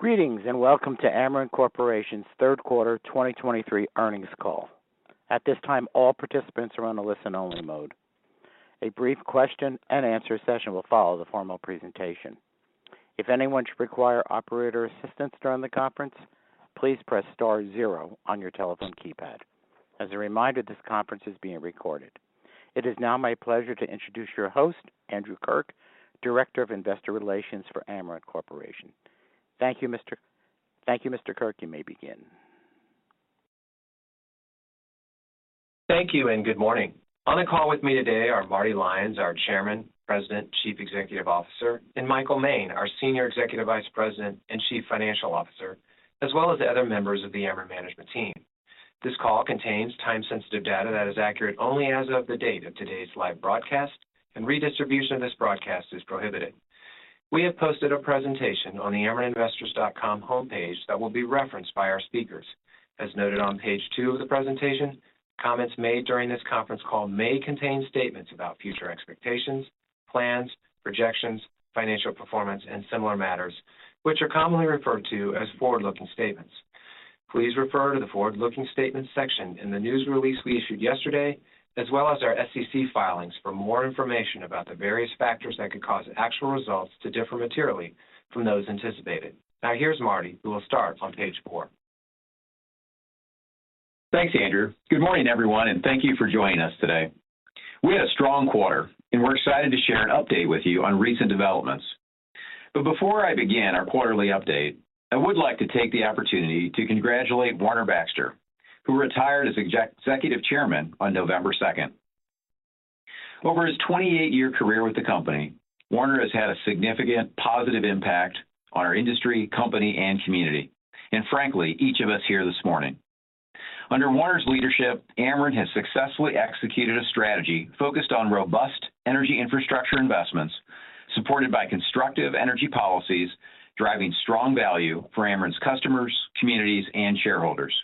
Greetings, and welcome to Ameren Corporation's third quarter 2023 earnings call. At this time, all participants are on a listen-only mode. A brief question and answer session will follow the formal presentation. If anyone should require operator assistance during the conference, please press star zero on your telephone keypad. As a reminder, this conference is being recorded. It is now my pleasure to introduce your host, Andrew Kirk, Director of Investor Relations for Ameren Corporation. Thank you, Mr. Kirk. You may begin. Thank you, and good morning. On the call with me today are Marty Lyons, our Chairman, President, and Chief Executive Officer, and Michael Moehn, our Senior Executive Vice President and Chief Financial Officer, as well as the other members of the Ameren management team. This call contains time-sensitive data that is accurate only as of the date of today's live broadcast, and redistribution of this broadcast is prohibited. We have posted a presentation on the amereninvestors.com homepage that will be referenced by our speakers. As noted on page two of the presentation, comments made during this conference call may contain statements about future expectations, plans, projections, financial performance, and similar matters, which are commonly referred to as forward-looking statements. Please refer to the Forward-Looking Statements section in the news release we issued yesterday, as well as our SEC filings for more information about the various factors that could cause actual results to differ materially from those anticipated. Now, here's Marty, who will start on page 4. Thanks, Andrew. Good morning, everyone, and thank you for joining us today. We had a strong quarter, and we're excited to share an update with you on recent developments. Before I begin our quarterly update, I would like to take the opportunity to congratulate Warner Baxter, who retired as Executive Chairman on November second. Over his 28-year career with the company, Warner has had a significant positive impact on our industry, company, and community, and frankly, each of us here this morning. Under Warner's leadership, Ameren has successfully executed a strategy focused on robust energy infrastructure investments, supported by constructive energy policies, driving strong value for Ameren's customers, communities, and shareholders.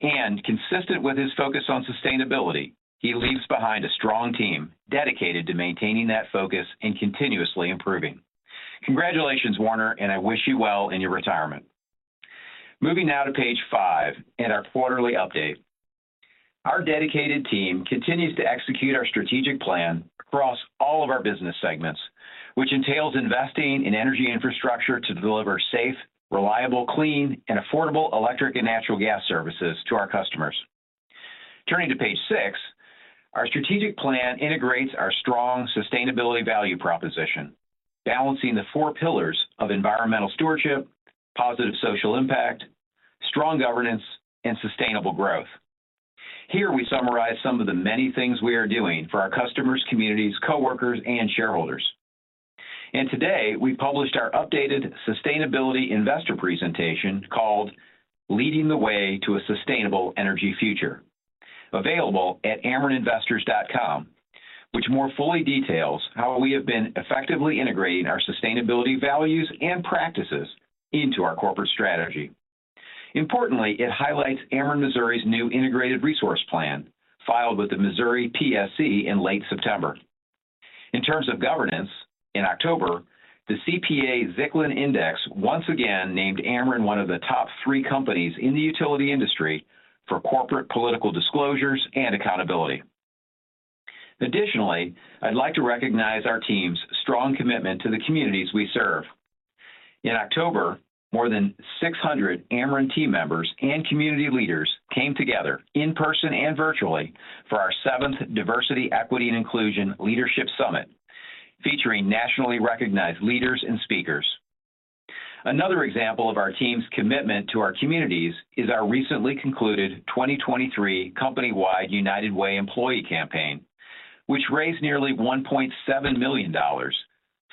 Consistent with his focus on sustainability, he leaves behind a strong team dedicated to maintaining that focus and continuously improving. Congratulations, Warner, and I wish you well in your retirement. Moving now to page 5 in our quarterly update. Our dedicated team continues to execute our strategic plan across all of our business segments, which entails investing in energy infrastructure to deliver safe, reliable, clean, and affordable electric and natural gas services to our customers. Turning to page 6, our strategic plan integrates our strong sustainability value proposition, balancing the 4 pillars of environmental stewardship, positive social impact, strong governance, and sustainable growth. Here, we summarize some of the many things we are doing for our customers, communities, coworkers, and shareholders. Today, we published our updated sustainability investor presentation called Leading the Way to a Sustainable Energy Future, available at amereninvestors.com, which more fully details how we have been effectively integrating our sustainability values and practices into our corporate strategy. Importantly, it highlights Ameren Missouri's new integrated resource plan, filed with the Missouri PSC in late September. In terms of governance, in October, the CPA-Zicklin Index once again named Ameren one of the top three companies in the utility industry for corporate political disclosures and accountability. Additionally, I'd like to recognize our team's strong commitment to the communities we serve. In October, more than 600 Ameren team members and community leaders came together in person and virtually for our seventh Diversity, Equity, and Inclusion Leadership Summit, featuring nationally recognized leaders and speakers. Another example of our team's commitment to our communities is our recently concluded 2023 company-wide United Way employee campaign, which raised nearly $1.7 million,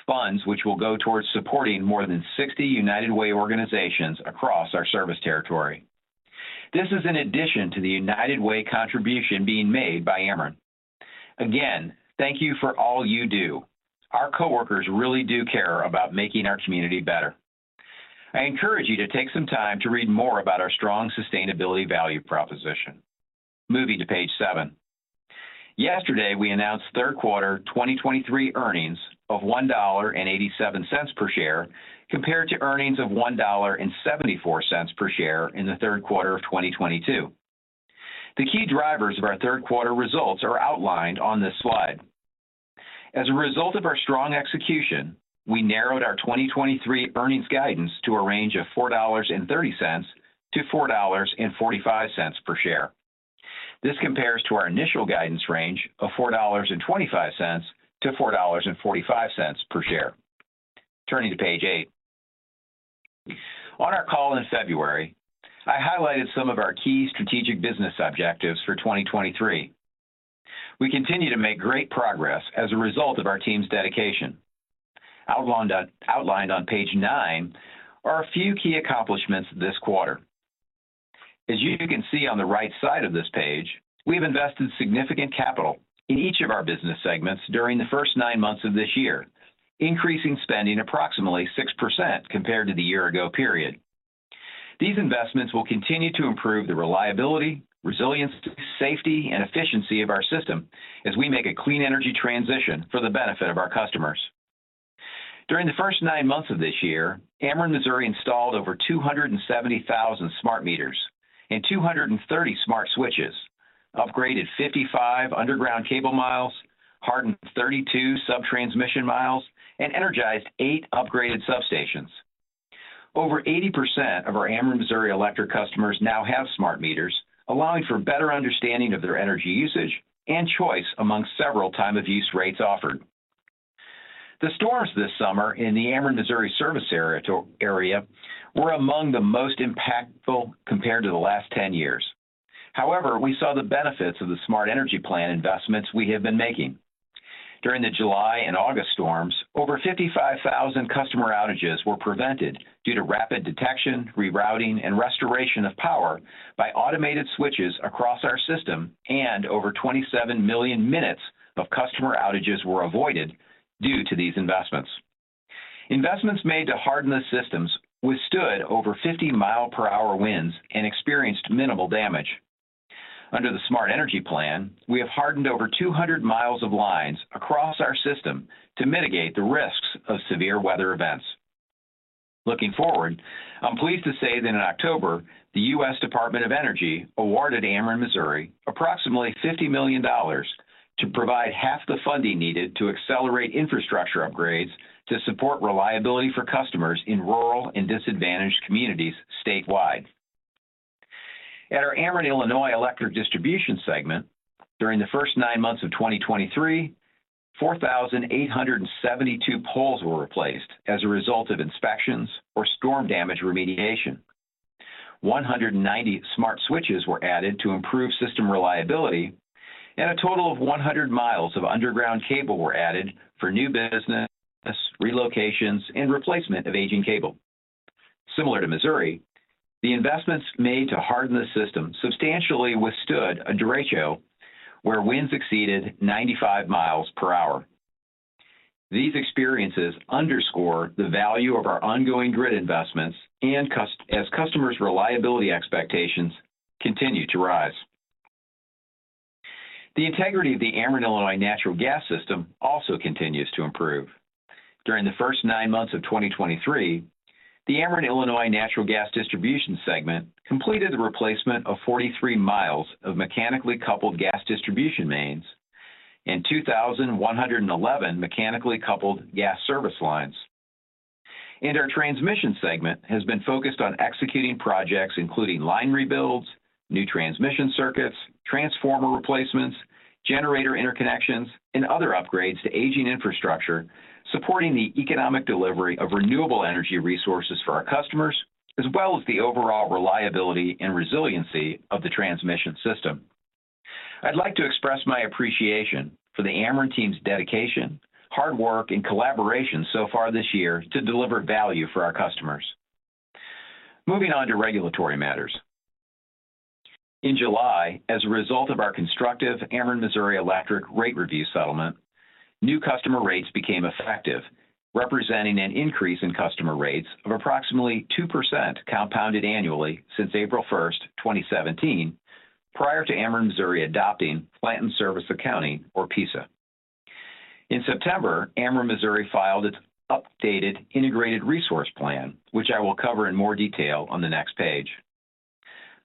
funds which will go towards supporting more than 60 United Way organizations across our service territory. This is in addition to the United Way contribution being made by Ameren. Again, thank you for all you do. Our coworkers really do care about making our community better. I encourage you to take some time to read more about our strong sustainability value proposition. Moving to page 7. Yesterday, we announced third quarter 2023 earnings of $1.87 per share, compared to earnings of $1.74 per share in the third quarter of 2022. The key drivers of our third quarter results are outlined on this slide. As a result of our strong execution, we narrowed our 2023 earnings guidance to a range of $4.30-$4.45 per share. This compares to our initial guidance range of $4.25-$4.45 per share. Turning to page 8. On our call in February, I highlighted some of our key strategic business objectives for 2023. We continue to make great progress as a result of our team's dedication. Outlined on page 9 are a few key accomplishments this quarter. As you can see on the right side of this page, we've invested significant capital in each of our business segments during the first 9 months of this year, increasing spending approximately 6% compared to the year ago period.... These investments will continue to improve the reliability, resilience, safety, and efficiency of our system as we make a clean energy transition for the benefit of our customers. During the first 9 months of this year, Ameren Missouri installed over 270,000 smart meters and 230 smart switches, upgraded 55 underground cable miles, hardened 32 sub-transmission miles, and energized 8 upgraded substations. Over 80% of our Ameren Missouri electric customers now have smart meters, allowing for better understanding of their energy usage and choice among several time-of-use rates offered. The storms this summer in the Ameren Missouri service area were among the most impactful compared to the last 10 years. However, we saw the benefits of the Smart Energy Plan investments we have been making. During the July and August storms, over 55,000 customer outages were prevented due to rapid detection, rerouting, and restoration of power by automated switches across our system, and over 27 million minutes of customer outages were avoided due to these investments. Investments made to harden the systems withstood over 50-mile-per-hour winds and experienced minimal damage. Under the Smart Energy Plan, we have hardened over 200 miles of lines across our system to mitigate the risks of severe weather events. Looking forward, I'm pleased to say that in October, the U.S. Department of Energy awarded Ameren Missouri approximately $50 million to provide half the funding needed to accelerate infrastructure upgrades to support reliability for customers in rural and disadvantaged communities statewide. At our Ameren Illinois Electric Distribution segment, during the first nine months of 2023, 4,872 poles were replaced as a result of inspections or storm damage remediation. 190 smart switches were added to improve system reliability, and a total of 100 miles of underground cable were added for new business, relocations, and replacement of aging cable. Similar to Missouri, the investments made to harden the system substantially withstood a derecho where winds exceeded 95 miles per hour. These experiences underscore the value of our ongoing grid investments and customers' reliability expectations continue to rise. The integrity of the Ameren Illinois natural gas system also continues to improve. During the first 9 months of 2023, the Ameren Illinois Natural Gas Distribution segment completed the replacement of 43 miles of mechanically coupled gas distribution mains and 2,111 mechanically coupled gas service lines. Our transmission segment has been focused on executing projects including line rebuilds, new transmission circuits, transformer replacements, generator interconnections, and other upgrades to aging infrastructure, supporting the economic delivery of renewable energy resources for our customers, as well as the overall reliability and resiliency of the transmission system. I'd like to express my appreciation for the Ameren team's dedication, hard work, and collaboration so far this year to deliver value for our customers. Moving on to regulatory matters. In July, as a result of our constructive Ameren Missouri Electric Rate Review settlement, new customer rates became effective, representing an increase in customer rates of approximately 2% compounded annually since April 1, 2017, prior to Ameren Missouri adopting Plant in Service Accounting, or PISA. In September, Ameren Missouri filed its updated Integrated Resource Plan, which I will cover in more detail on the next page.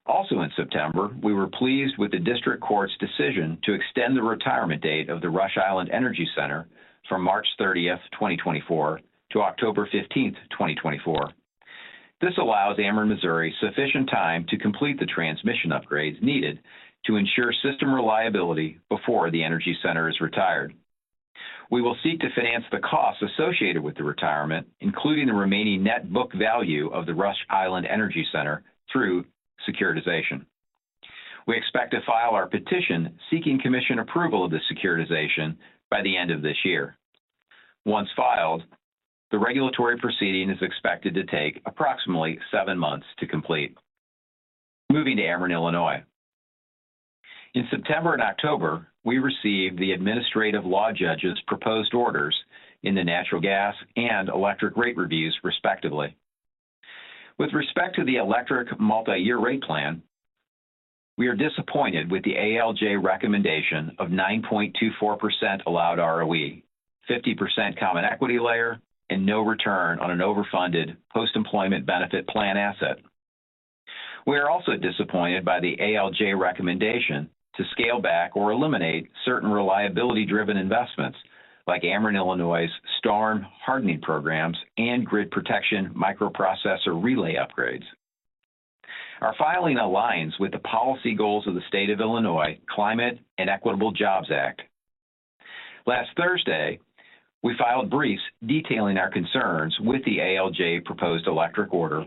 Also in September, we were pleased with the District Court's decision to extend the retirement date of the Rush Island Energy Center from March 30, 2024 to October 15, 2024. This allows Ameren Missouri sufficient time to complete the transmission upgrades needed to ensure system reliability before the energy center is retired. We will seek to finance the costs associated with the retirement, including the remaining net book value of the Rush Island Energy Center, through securitization. We expect to file our petition seeking Commission approval of the securitization by the end of this year. Once filed, the regulatory proceeding is expected to take approximately seven months to complete. Moving to Ameren Illinois. In September and October, we received the administrative law judge's proposed orders in the natural gas and electric rate reviews, respectively. With respect to the electric multi-year rate plan, we are disappointed with the ALJ recommendation of 9.24% allowed ROE, 50% common equity layer, and no return on an overfunded post-employment benefit plan asset. We are also disappointed by the ALJ recommendation to scale back or eliminate certain reliability-driven investments like Ameren Illinois's storm hardening programs and grid protection microprocessor relay upgrades. Our filing aligns with the policy goals of the State of Illinois Climate and Equitable Jobs Act. Last Thursday, we filed briefs detailing our concerns with the ALJ proposed electric order,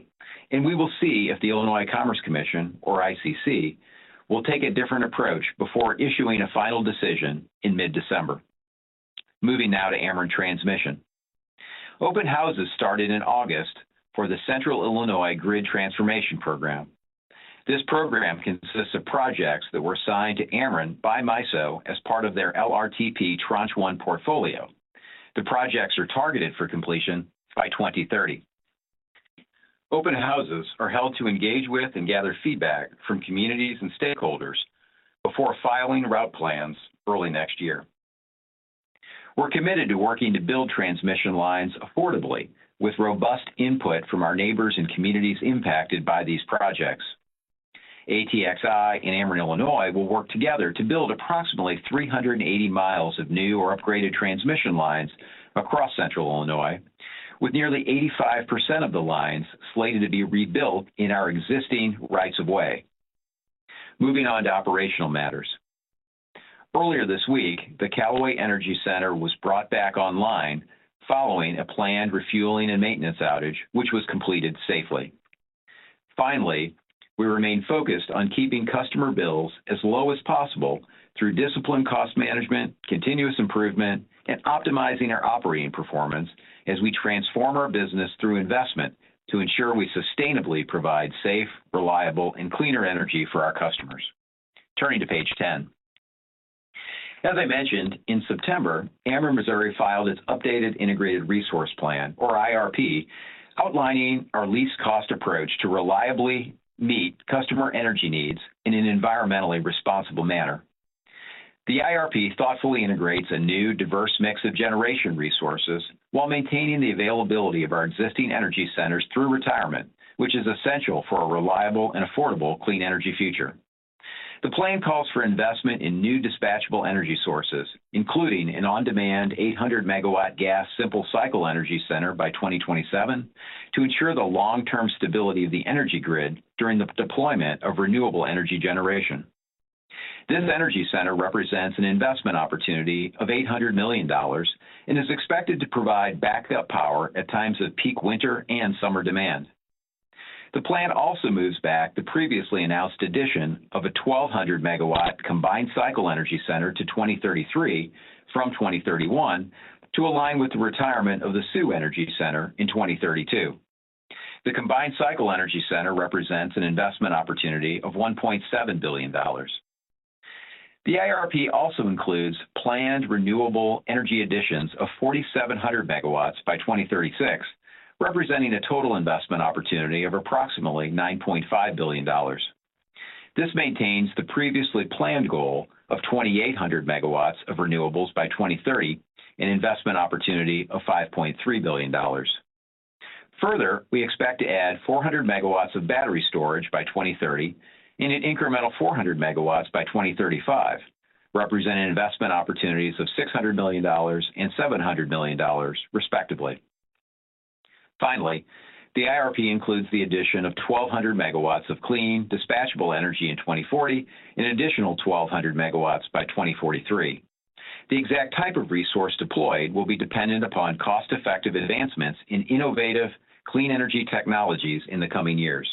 and we will see if the Illinois Commerce Commission, or ICC, will take a different approach before issuing a final decision in mid-December. Moving now to Ameren Transmission. Open houses started in August for the Central Illinois Grid Transformation Program. This program consists of projects that were assigned to Ameren by MISO as part of their LRTP Tranche One portfolio. The projects are targeted for completion by 2030. Open houses are held to engage with and gather feedback from communities and stakeholders before filing route plans early next year. We're committed to working to build transmission lines affordably, with robust input from our neighbors and communities impacted by these projects. ATXI and Ameren Illinois will work together to build approximately 380 miles of new or upgraded transmission lines across Central Illinois, with nearly 85% of the lines slated to be rebuilt in our existing rights of way. Moving on to operational matters. Earlier this week, the Callaway Energy Center was brought back online following a planned refueling and maintenance outage, which was completed safely. Finally, we remain focused on keeping customer bills as low as possible through disciplined cost management, continuous improvement, and optimizing our operating performance as we transform our business through investment to ensure we sustainably provide safe, reliable, and cleaner energy for our customers. Turning to page 10. As I mentioned, in September, Ameren Missouri filed its updated Integrated Resource Plan, or IRP, outlining our least-cost approach to reliably meet customer energy needs in an environmentally responsible manner. The IRP thoughtfully integrates a new, diverse mix of generation resources while maintaining the availability of our existing energy centers through retirement, which is essential for a reliable and affordable clean energy future. The plan calls for investment in new dispatchable energy sources, including an on-demand 800 MW gas simple cycle energy center by 2027, to ensure the long-term stability of the energy grid during the deployment of renewable energy generation. This energy center represents an investment opportunity of $800 million and is expected to provide backup power at times of peak winter and summer demand. The plan also moves back the previously announced addition of a 1,200 MW combined cycle energy center to 2033 from 2031 to align with the retirement of the Sioux Energy Center in 2032. The combined cycle energy center represents an investment opportunity of $1.7 billion. The IRP also includes planned renewable energy additions of 4,700 MW by 2036, representing a total investment opportunity of approximately $9.5 billion. This maintains the previously planned goal of 2,800 MW of renewables by 2030, an investment opportunity of $5.3 billion. Further, we expect to add 400 MW of battery storage by 2030 and an incremental 400 MW by 2035, representing investment opportunities of $600 million and $700 million, respectively. Finally, the IRP includes the addition of 1,200 MW of clean, dispatchable energy in 2040 and an additional 1,200 MW by 2043. The exact type of resource deployed will be dependent upon cost-effective advancements in innovative, clean energy technologies in the coming years.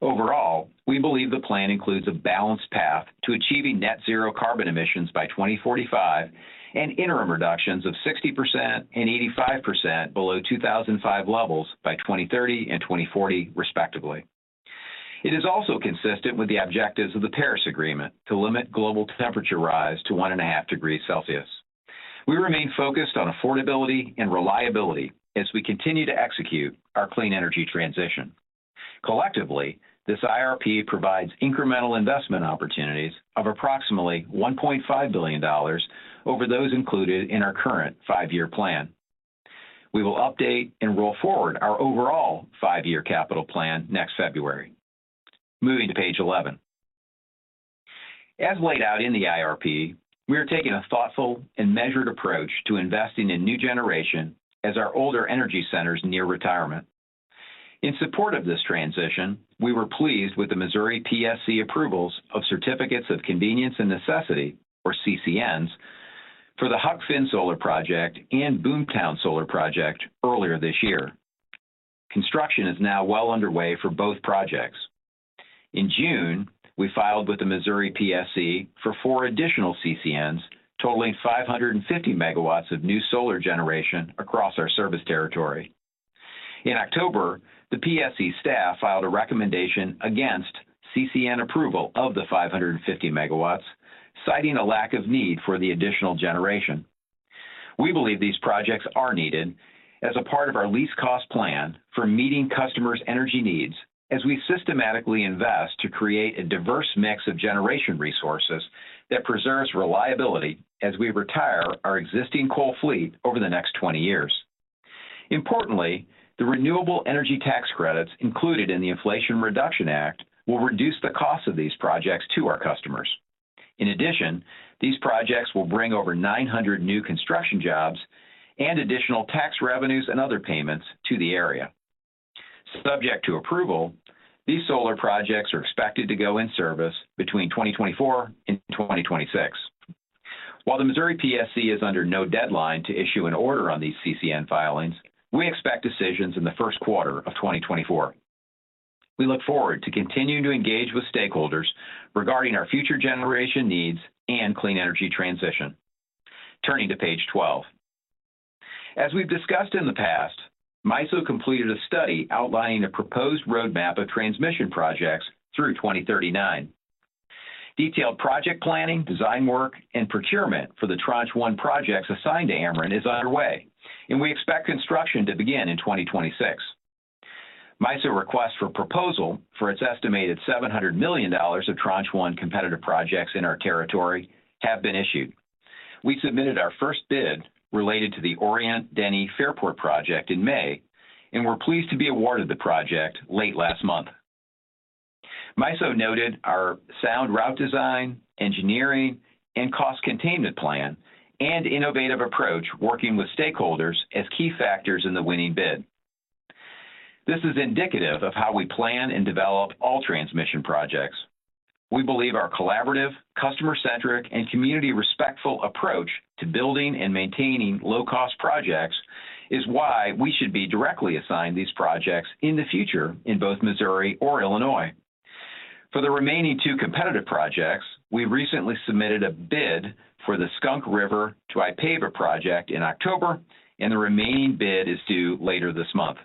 Overall, we believe the plan includes a balanced path to achieving net zero carbon emissions by 2045 and interim reductions of 60% and 85% below 2005 levels by 2030 and 2040, respectively. It is also consistent with the objectives of the Paris Agreement to limit global temperature rise to 1.5 degrees Celsius. We remain focused on affordability and reliability as we continue to execute our clean energy transition. Collectively, this IRP provides incremental investment opportunities of approximately $1.5 billion over those included in our current 5-year plan. We will update and roll forward our overall 5-year capital plan next February. Moving to page 11. As laid out in the IRP, we are taking a thoughtful and measured approach to investing in new generation as our older energy centers near retirement. In support of this transition, we were pleased with the Missouri PSC approvals of Certificates of Convenience and Necessity, or CCNs, for the Huck Finn Solar Project and Boomtown Solar Project earlier this year. Construction is now well underway for both projects. In June, we filed with the Missouri PSC for four additional CCNs, totaling 550 megawatts of new solar generation across our service territory. In October, the PSC staff filed a recommendation against CCN approval of the 550 megawatts, citing a lack of need for the additional generation. We believe these projects are needed as a part of our least-cost plan for meeting customers' energy needs as we systematically invest to create a diverse mix of generation resources that preserves reliability as we retire our existing coal fleet over the next 20 years. Importantly, the renewable energy tax credits included in the Inflation Reduction Act will reduce the cost of these projects to our customers. In addition, these projects will bring over 900 new construction jobs and additional tax revenues and other payments to the area. Subject to approval, these solar projects are expected to go in service between 2024 and 2026. While the Missouri PSC is under no deadline to issue an order on these CCN filings, we expect decisions in the first quarter of 2024. We look forward to continuing to engage with stakeholders regarding our future generation needs and clean energy transition. Turning to page 12.... As we've discussed in the past, MISO completed a study outlining a proposed roadmap of transmission projects through 2039. Detailed project planning, design work, and procurement for the Tranche One projects assigned to Ameren is underway, and we expect construction to begin in 2026. MISO request for proposal for its estimated $700 million of Tranche One competitive projects in our territory have been issued. We submitted our first bid related to the Orion-Denny Fairport project in May, and we're pleased to be awarded the project late last month. MISO noted our sound route design, engineering, and cost containment plan, and innovative approach working with stakeholders as key factors in the winning bid. This is indicative of how we plan and develop all transmission projects. We believe our collaborative, customer-centric, and community-respectful approach to building and maintaining low-cost projects is why we should be directly assigned these projects in the future in both Missouri or Illinois. For the remaining two competitive projects, we recently submitted a bid for the Skunk River to Ipava project in October, and the remaining bid is due later this month.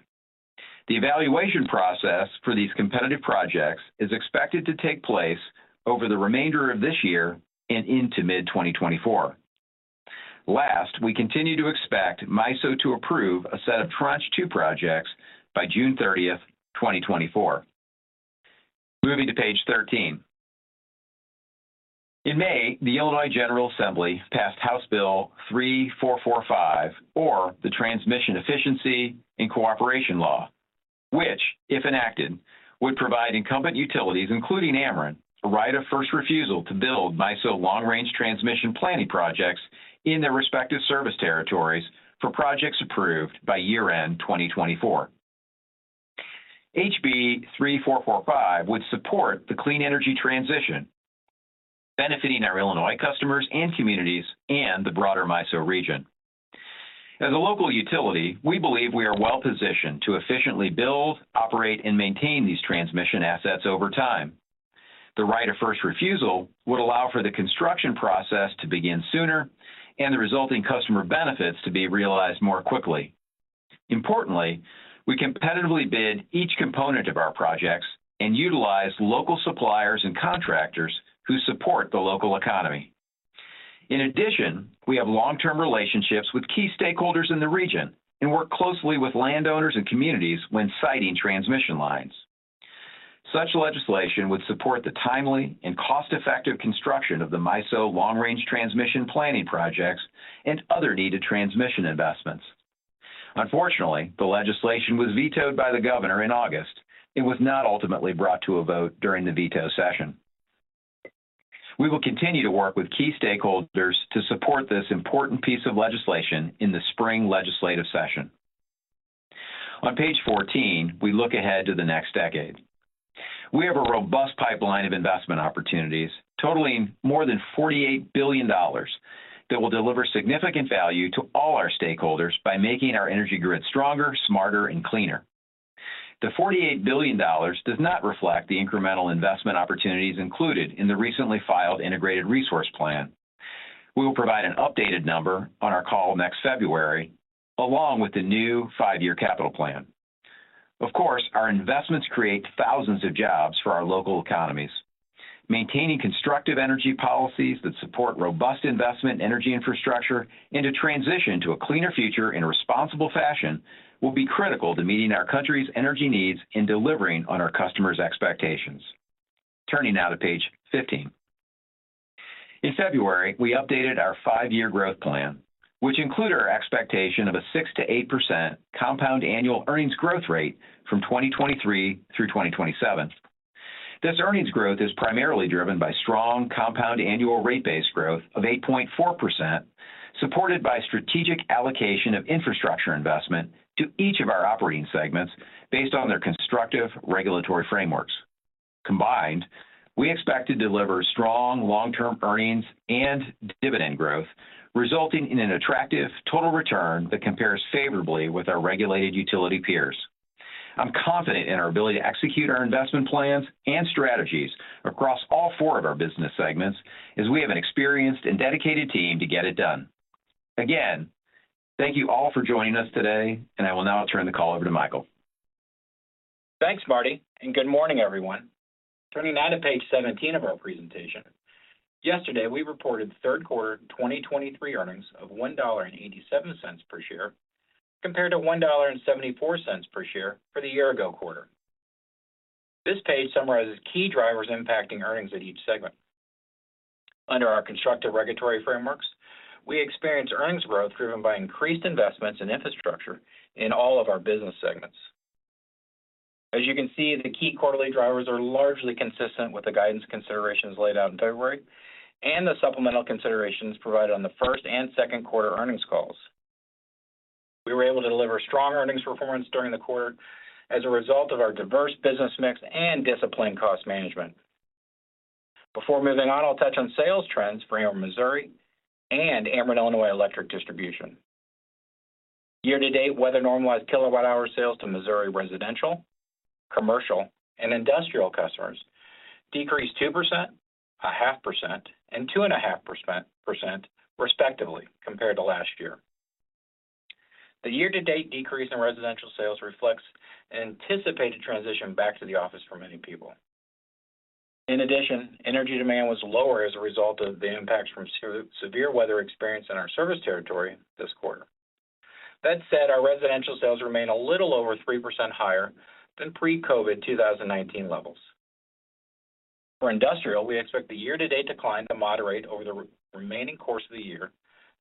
The evaluation process for these competitive projects is expected to take place over the remainder of this year and into mid-2024. Last, we continue to expect MISO to approve a set of Tranche Two projects by June 30, 2024. Moving to page 13. In May, the Illinois General Assembly passed House Bill 3445, or the Transmission Efficiency and Cooperation Law, which, if enacted, would provide incumbent utilities, including Ameren, a right of first refusal to build MISO long-range transmission planning projects in their respective service territories for projects approved by year-end 2024. HB 3445 would support the clean energy transition, benefiting our Illinois customers and communities and the broader MISO region. As a local utility, we believe we are well-positioned to efficiently build, operate, and maintain these transmission assets over time. The right of first refusal would allow for the construction process to begin sooner and the resulting customer benefits to be realized more quickly. Importantly, we competitively bid each component of our projects and utilize local suppliers and contractors who support the local economy. In addition, we have long-term relationships with key stakeholders in the region and work closely with landowners and communities when siting transmission lines. Such legislation would support the timely and cost-effective construction of the MISO long-range transmission planning projects and other needed transmission investments. Unfortunately, the legislation was vetoed by the governor in August and was not ultimately brought to a vote during the veto session. We will continue to work with key stakeholders to support this important piece of legislation in the spring legislative session. On page 14, we look ahead to the next decade. We have a robust pipeline of investment opportunities totaling more than $48 billion that will deliver significant value to all our stakeholders by making our energy grid stronger, smarter, and cleaner. The $48 billion does not reflect the incremental investment opportunities included in the recently filed integrated resource plan. We will provide an updated number on our call next February, along with the new 5-year capital plan. Of course, our investments create thousands of jobs for our local economies. Maintaining constructive energy policies that support robust investment in energy infrastructure, and to transition to a cleaner future in a responsible fashion, will be critical to meeting our country's energy needs and delivering on our customers' expectations. Turning now to page 15. In February, we updated our five-year growth plan, which included our expectation of a 6%-8% compound annual earnings growth rate from 2023 through 2027. This earnings growth is primarily driven by strong compound annual rate base growth of 8.4%, supported by strategic allocation of infrastructure investment to each of our operating segments based on their constructive regulatory frameworks. Combined, we expect to deliver strong long-term earnings and dividend growth, resulting in an attractive total return that compares favorably with our regulated utility peers. I'm confident in our ability to execute our investment plans and strategies across all four of our business segments as we have an experienced and dedicated team to get it done. Again, thank you all for joining us today, and I will now turn the call over to Michael. Thanks, Marty, and good morning, everyone. Turning now to page 17 of our presentation. Yesterday, we reported third quarter 2023 earnings of $1.87 per share, compared to $1.74 per share for the year ago quarter. This page summarizes key drivers impacting earnings at each segment. Under our constructive regulatory frameworks, we experienced earnings growth driven by increased investments in infrastructure in all of our business segments. As you can see, the key quarterly drivers are largely consistent with the guidance considerations laid out in February and the supplemental considerations provided on the first and second quarter earnings calls. We were able to deliver strong earnings performance during the quarter as a result of our diverse business mix and disciplined cost management. Before moving on, I'll touch on sales trends for Ameren Missouri and Ameren Illinois Electric Distribution. Year to date, weather-normalized kilowatt-hour sales to Missouri residential, commercial and industrial customers decreased 2%, 0.5%, and 2.5%, respectively, compared to last year. The year-to-date decrease in residential sales reflects anticipated transition back to the office for many people. In addition, energy demand was lower as a result of the impacts from severe weather experienced in our service territory this quarter. That said, our residential sales remain a little over 3% higher than pre-COVID-19 levels. For industrial, we expect the year-to-date decline to moderate over the remaining course of the year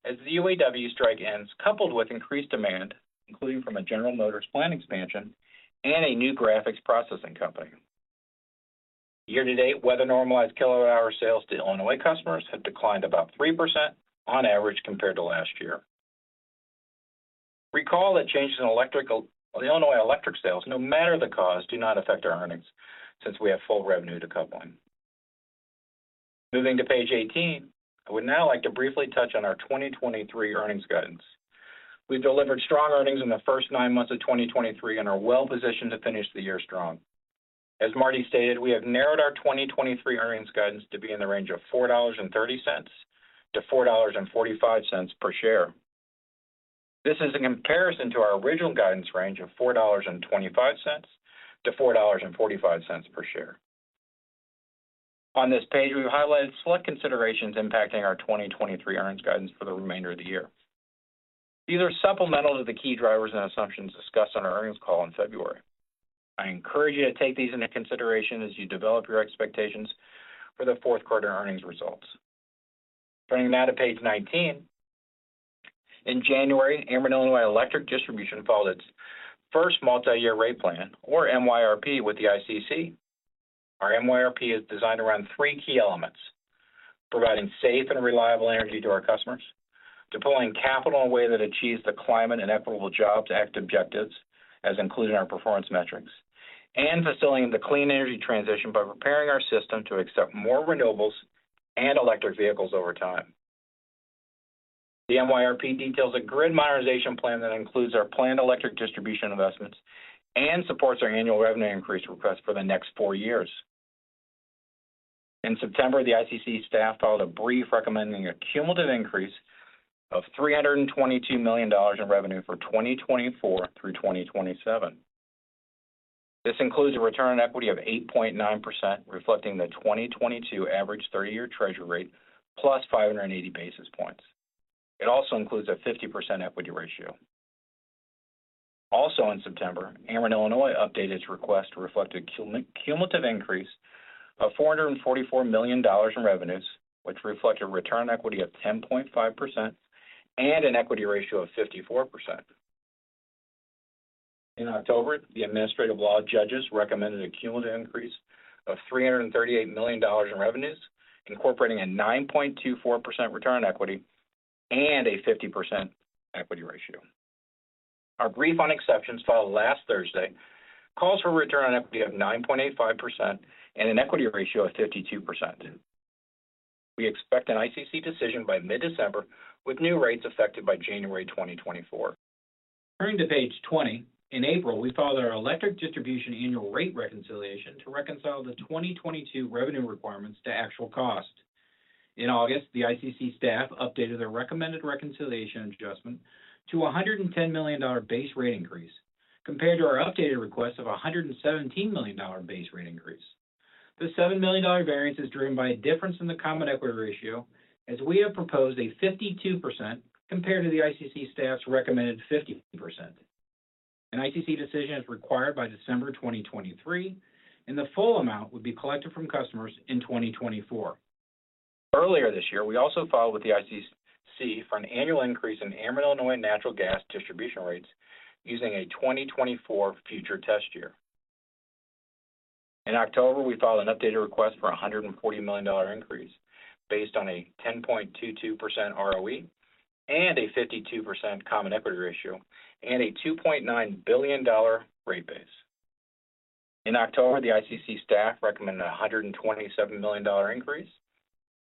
as the UAW strike ends, coupled with increased demand, including from a General Motors plant expansion and a new graphics processing company. Year-to-date, weather-normalized kilowatt-hour sales to Illinois customers have declined about 3% on average compared to last year. Recall that changes in Illinois electric sales, no matter the cause, do not affect our earnings since we have full revenue decoupling. Moving to page 18, I would now like to briefly touch on our 2023 earnings guidance. We've delivered strong earnings in the first 9 months of 2023 and are well positioned to finish the year strong. As Marty stated, we have narrowed our 2023 earnings guidance to be in the range of $4.30-$4.45 per share. This is in comparison to our original guidance range of $4.25-$4.45 per share. On this page, we've highlighted select considerations impacting our 2023 earnings guidance for the remainder of the year. These are supplemental to the key drivers and assumptions discussed on our earnings call in February. I encourage you to take these into consideration as you develop your expectations for the fourth quarter earnings results. Turning now to page 19. In January, Ameren Illinois Electric Distribution filed its first multi-year rate plan, or MYRP, with the ICC. Our MYRP is designed around 3 key elements: providing safe and reliable energy to our customers, deploying capital in a way that achieves the Climate and Equitable Jobs Act objectives, as included in our performance metrics, and facilitating the clean energy transition by preparing our system to accept more renewables and electric vehicles over time. The MYRP details a grid modernization plan that includes our planned electric distribution investments and supports our annual revenue increase request for the next 4 years. In September, the ICC staff filed a brief recommending a cumulative increase of $322 million in revenue for 2024 through 2027. This includes a return on equity of 8.9%, reflecting the 2022 average thirty-year Treasury rate, plus 580 basis points. It also includes a 50% equity ratio. Also, in September, Ameren Illinois updated its request to reflect a cumulative increase of $444 million in revenues, which reflect a return on equity of 10.5% and an equity ratio of 54%. In October, the administrative law judges recommended a cumulative increase of $338 million in revenues, incorporating a 9.24% return on equity and a 50% equity ratio. Our brief on exceptions, filed last Thursday, calls for a return on equity of 9.85% and an equity ratio of 52%. We expect an ICC decision by mid-December, with new rates effective by January 2024. Turning to page 20. In April, we filed our electric distribution annual rate reconciliation to reconcile the 2022 revenue requirements to actual cost. In August, the ICC staff updated their recommended reconciliation adjustment to a $110 million base rate increase compared to our updated request of a $117 million base rate increase. The $7 million variance is driven by a difference in the common equity ratio, as we have proposed a 52% compared to the ICC staff's recommended 50%. An ICC decision is required by December 2023, and the full amount would be collected from customers in 2024. Earlier this year, we also filed with the ICC for an annual increase in Ameren Illinois natural gas distribution rates using a 2024 future test year. In October, we filed an updated request for a $140 million increase based on a 10.22% ROE and a 52% common equity ratio and a $2.9 billion rate base. In October, the ICC staff recommended a $127 million increase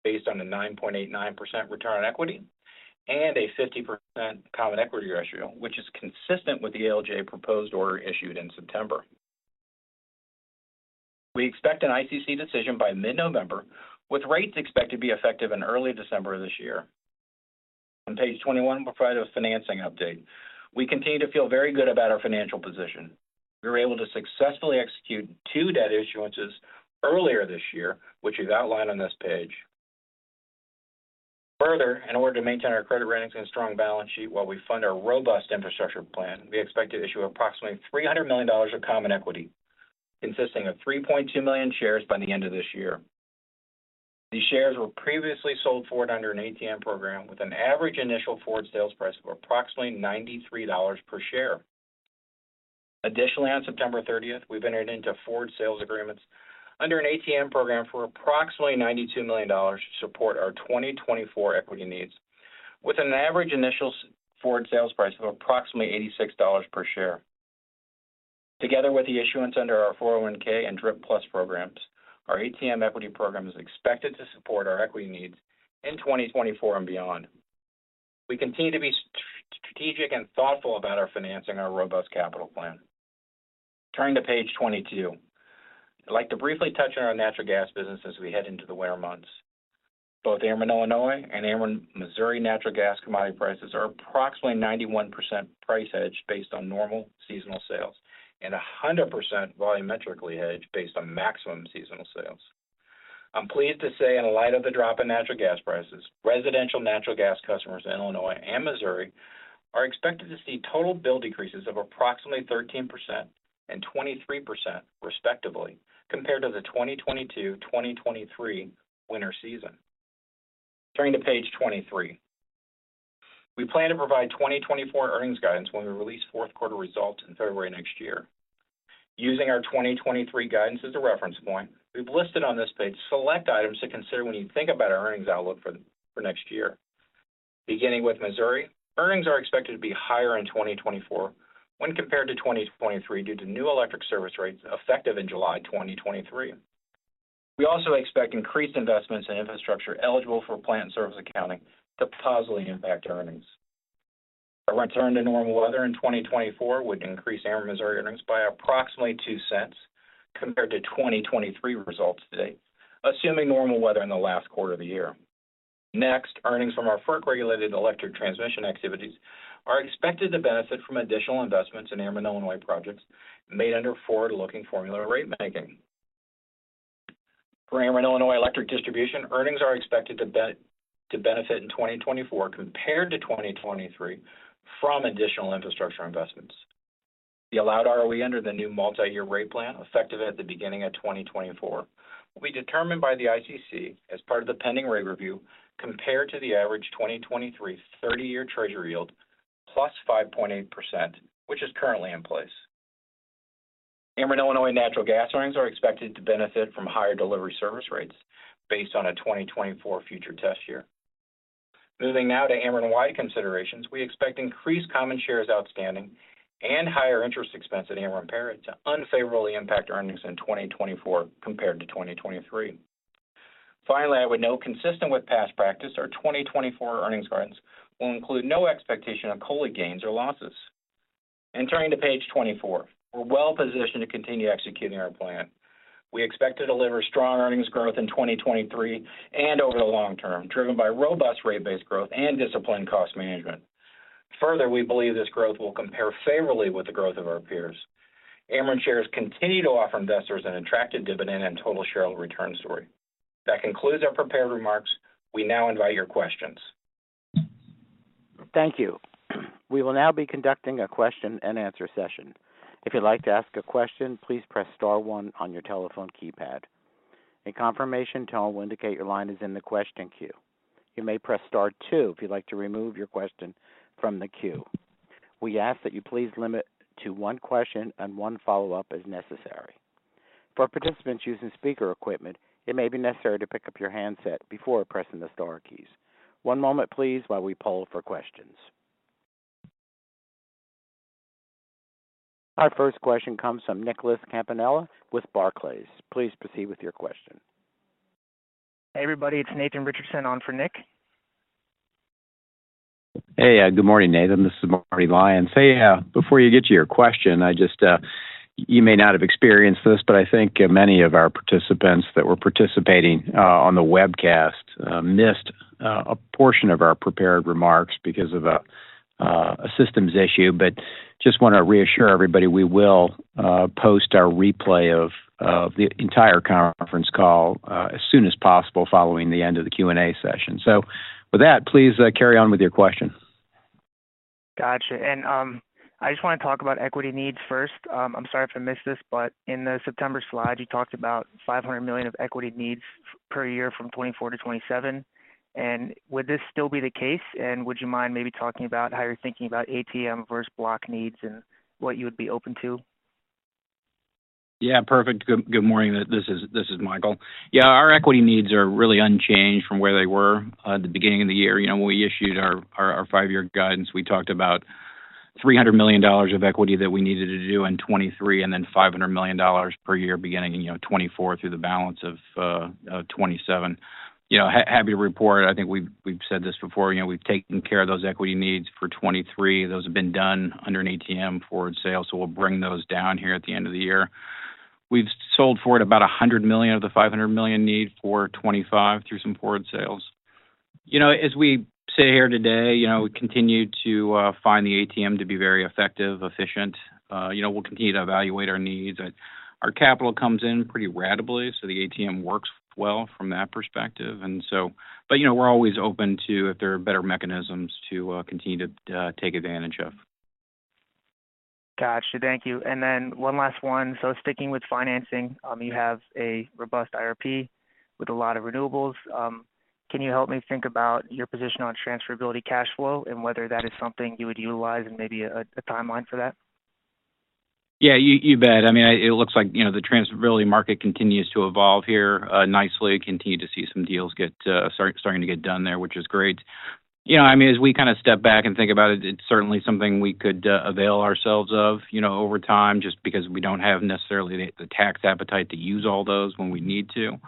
based on a 9.89% return on equity and a 50% common equity ratio, which is consistent with the ALJ proposed order issued in September. We expect an ICC decision by mid-November, with rates expected to be effective in early December of this year. On page 21, we provide a financing update. We continue to feel very good about our financial position. We were able to successfully execute two debt issuances earlier this year, which is outlined on this page. Further, in order to maintain our credit ratings and strong balance sheet while we fund our robust infrastructure plan, we expect to issue approximately $300 million of common equity, consisting of 3.2 million shares, by the end of this year. These shares were previously sold forward under an ATM program with an average initial forward sales price of approximately $93 per share. Additionally, on September 30th, we've entered into forward sales agreements under an ATM program for approximately $92 million to support our 2024 equity needs, with an average initial forward sales price of approximately $86 per share. Together with the issuance under our 401(k) and DRPlus programs, our ATM equity program is expected to support our equity needs in 2024 and beyond. We continue to be strategic and thoughtful about our financing, our robust capital plan. Turning to page 22. I'd like to briefly touch on our natural gas business as we head into the winter months. Both Ameren Illinois and Ameren Missouri natural gas commodity prices are approximately 91% price hedged based on normal seasonal sales and 100% volumetrically hedged based on maximum seasonal sales. I'm pleased to say, in light of the drop in natural gas prices, residential natural gas customers in Illinois and Missouri are expected to see total bill decreases of approximately 13% and 23%, respectively, compared to the 2022/2023 winter season. Turning to page 23. We plan to provide 2024 earnings guidance when we release fourth quarter results in February next year. Using our 2023 guidance as a reference point, we've listed on this page select items to consider when you think about our earnings outlook for next year. Beginning with Missouri, earnings are expected to be higher in 2024 when compared to 2023, due to new electric service rates effective in July 2023. We also expect increased investments in infrastructure eligible for plant in service accounting to positively impact earnings. A return to normal weather in 2024 would increase Ameren Missouri earnings by approximately $0.02 compared to 2023 results to date, assuming normal weather in the last quarter of the year. Next, earnings from our FERC-regulated electric transmission activities are expected to benefit from additional investments in Ameren Illinois projects made under forward-looking formula rate making. For Ameren Illinois electric distribution, earnings are expected to benefit in 2024 compared to 2023 from additional infrastructure investments. The allowed ROE under the new multi-year rate plan, effective at the beginning of 2024, will be determined by the ICC as part of the pending rate review, compared to the average 2023 thirty-year treasury yield, plus 5.8%, which is currently in place. Ameren Illinois natural gas earnings are expected to benefit from higher delivery service rates based on a 2024 future test year. Moving now to Ameren parent considerations, we expect increased common shares outstanding and higher interest expense at Ameren parent to unfavorably impact earnings in 2024 compared to 2023. Finally, I would note, consistent with past practice, our 2024 earnings guidance will include no expectation of COLI gains or losses. Turning to page 24. We're well positioned to continue executing our plan. We expect to deliver strong earnings growth in 2023 and over the long term, driven by robust rate base growth and disciplined cost management. Further, we believe this growth will compare favorably with the growth of our peers. Ameren shares continue to offer investors an attractive dividend and total share return story. That concludes our prepared remarks. We now invite your questions. Thank you. We will now be conducting a question-and-answer session. If you'd like to ask a question, please press star one on your telephone keypad. A confirmation tone will indicate your line is in the question queue. You may press star two if you'd like to remove your question from the queue. We ask that you please limit to one question and one follow-up as necessary. For participants using speaker equipment, it may be necessary to pick up your handset before pressing the star keys. One moment, please, while we poll for questions. Our first question comes from Nicholas Campanella with Barclays. Please proceed with your question. Hey, everybody, it's Nathan Richardson on for Nick. Hey, good morning, Nathan. This is Marty Lyons. Hey, before you get to your question, I just, you may not have experienced this, but I think many of our participants that were participating on the webcast missed a portion of our prepared remarks because of a systems issue. But just want to reassure everybody, we will post our replay of the entire conference call as soon as possible following the end of the Q&A session. So with that, please carry on with your question. Gotcha. And, I just want to talk about equity needs first. I'm sorry if I missed this, but in the September slide, you talked about $500 million of equity needs per year from 2024 to 2027. And would this still be the case? And would you mind maybe talking about how you're thinking about ATM versus block needs and what you would be open to? Yeah, perfect. Good morning. This is Michael. Yeah, our equity needs are really unchanged from where they were at the beginning of the year. You know, when we issued our five-year guidance, we talked about $300 million of equity that we needed to do in 2023, and then $500 million per year beginning in, you know, 2024 through the balance of 2027. You know, happy to report, I think we've said this before, you know, we've taken care of those equity needs for 2023. Those have been done under an ATM forward sale, so we'll bring those down here at the end of the year. We've sold forward about $100 million of the $500 million needs for 2025 through some forward sales. You know, as we sit here today, you know, we continue to find the ATM to be very effective, efficient. You know, we'll continue to evaluate our needs. Our capital comes in pretty ratably, so the ATM works well from that perspective. And so... But, you know, we're always open to if there are better mechanisms to continue to take advantage of. Got you. Thank you. And then one last one. So sticking with financing, you have a robust IRP with a lot of renewables. Can you help me think about your position on transferability cash flow and whether that is something you would utilize and maybe a timeline for that? Yeah, you bet. I mean, it looks like, you know, the transferability market continues to evolve here nicely. Continue to see some deals get starting to get done there, which is great. You know, I mean, as we kind of step back and think about it, it's certainly something we could avail ourselves of, you know, over time, just because we don't have necessarily the tax appetite to use all those when we need to.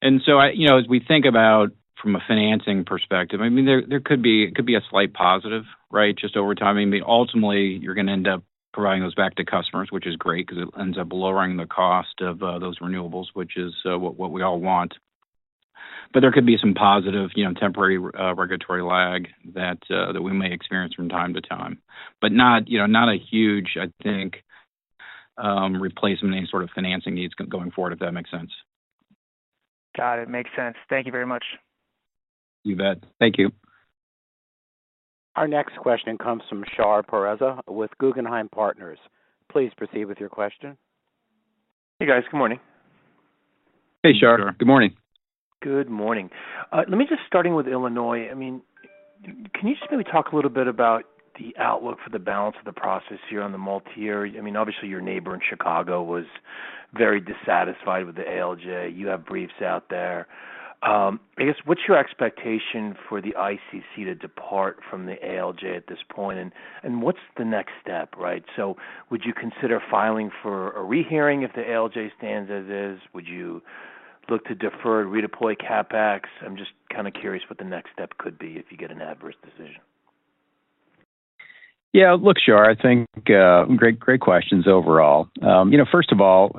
And so I, you know, as we think about from a financing perspective, I mean, there could be a slight positive, right? Just over time. I mean, ultimately, you're gonna end up providing those back to customers, which is great, 'cause it ends up lowering the cost of those renewables, which is what we all want. But there could be some positive, you know, temporary regulatory lag that we may experience from time to time, but not, you know, not a huge, I think, replacement, any sort of financing needs going forward, if that makes sense. Got it. Makes sense. Thank you very much. You bet. Thank you. Our next question comes from Shar Pourreza with Guggenheim Partners. Please proceed with your question. Hey, guys. Good morning. Hey, Shar. Good morning. Good morning. Let me just start with Illinois. I mean, can you just maybe talk a little bit about the outlook for the balance of the process here on the multi-year? I mean, obviously, your neighbor in Chicago was very dissatisfied with the ALJ. You have briefs out there. I guess, what's your expectation for the ICC to depart from the ALJ at this point? And, what's the next step, right? So would you consider filing for a rehearing if the ALJ stands as is? Would you look to defer, redeploy CapEx? I'm just kind of curious what the next step could be if you get an adverse decision. Yeah, look, Shar, I think, great, great questions overall. You know, first of all,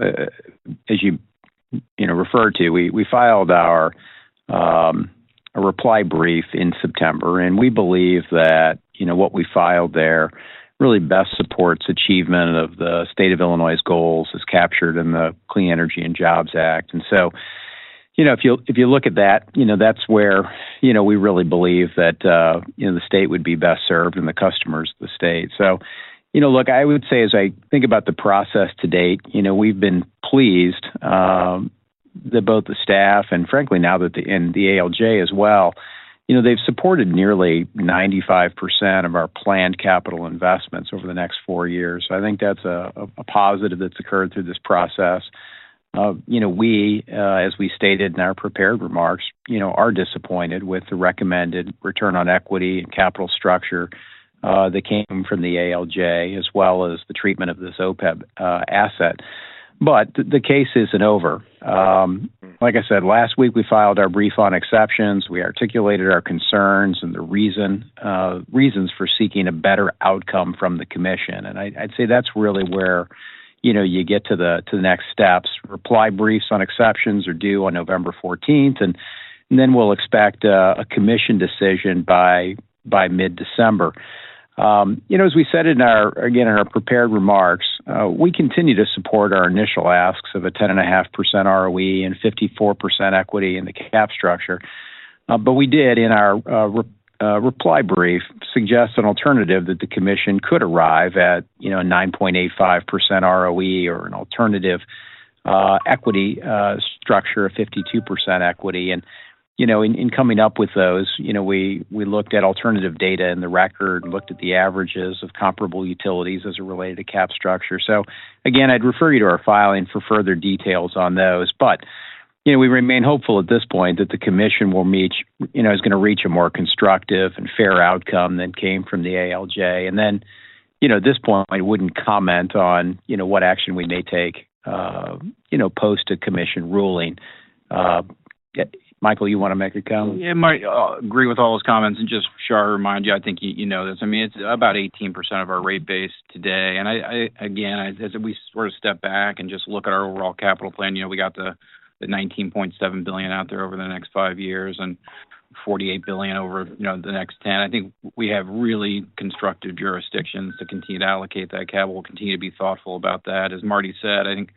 as you, you know, referred to, we, we filed our, a reply brief in September, and we believe that, you know, what we filed there really best supports achievement of the state of Illinois's goals, as captured in the Climate and Equitable Jobs Act. And so, you know, if you'll- if you look at that, you know, that's where, you know, we really believe that, you know, the state would be best served and the customers of the state. So, you know, look, I would say, as I think about the process to date, you know, we've been pleased, that both the staff and frankly, now that the... and the ALJ as well, you know, they've supported nearly 95% of our planned capital investments over the next four years. So I think that's a positive that's occurred through this process. You know, we, as we stated in our prepared remarks, you know, are disappointed with the recommended return on equity and capital structure, that came from the ALJ, as well as the treatment of this OPEB, asset. But the case isn't over. Like I said, last week, we filed our brief on exceptions. We articulated our concerns and the reason, reasons for seeking a better outcome from the commission. And I'd say that's really where, you know, you get to the next steps. Reply briefs on exceptions are due on November fourteenth, and then we'll expect a commission decision by mid-December. You know, as we said in our, again, in our prepared remarks, we continue to support our initial asks of a 10.5% ROE and 54% equity in the cap structure. But we did, in our reply brief, suggest an alternative that the commission could arrive at, you know, a 9.85% ROE or an alternative equity structure, a 52% equity. And, you know, in, in coming up with those, you know, we, we looked at alternative data in the record, looked at the averages of comparable utilities as it related to cap structure. So again, I'd refer you to our filing for further details on those. But, you know, we remain hopeful at this point that the commission will reach, you know, is gonna reach a more constructive and fair outcome than came from the ALJ. And then, you know, at this point, I wouldn't comment on, you know, what action we may take, post a commission ruling. Michael, you want to make a comment? Yeah, Marty, agree with all those comments. And just, Shar, remind you, I think you know this. I mean, it's about 18% of our rate base today. And I again, as we sort of step back and just look at our overall capital plan, you know, we got the $19.7 billion out there over the next 5 years, and $48 billion over, you know, the next 10. I think we have really constructive jurisdictions to continue to allocate that capital. We'll continue to be thoughtful about that. As Marty said, I think,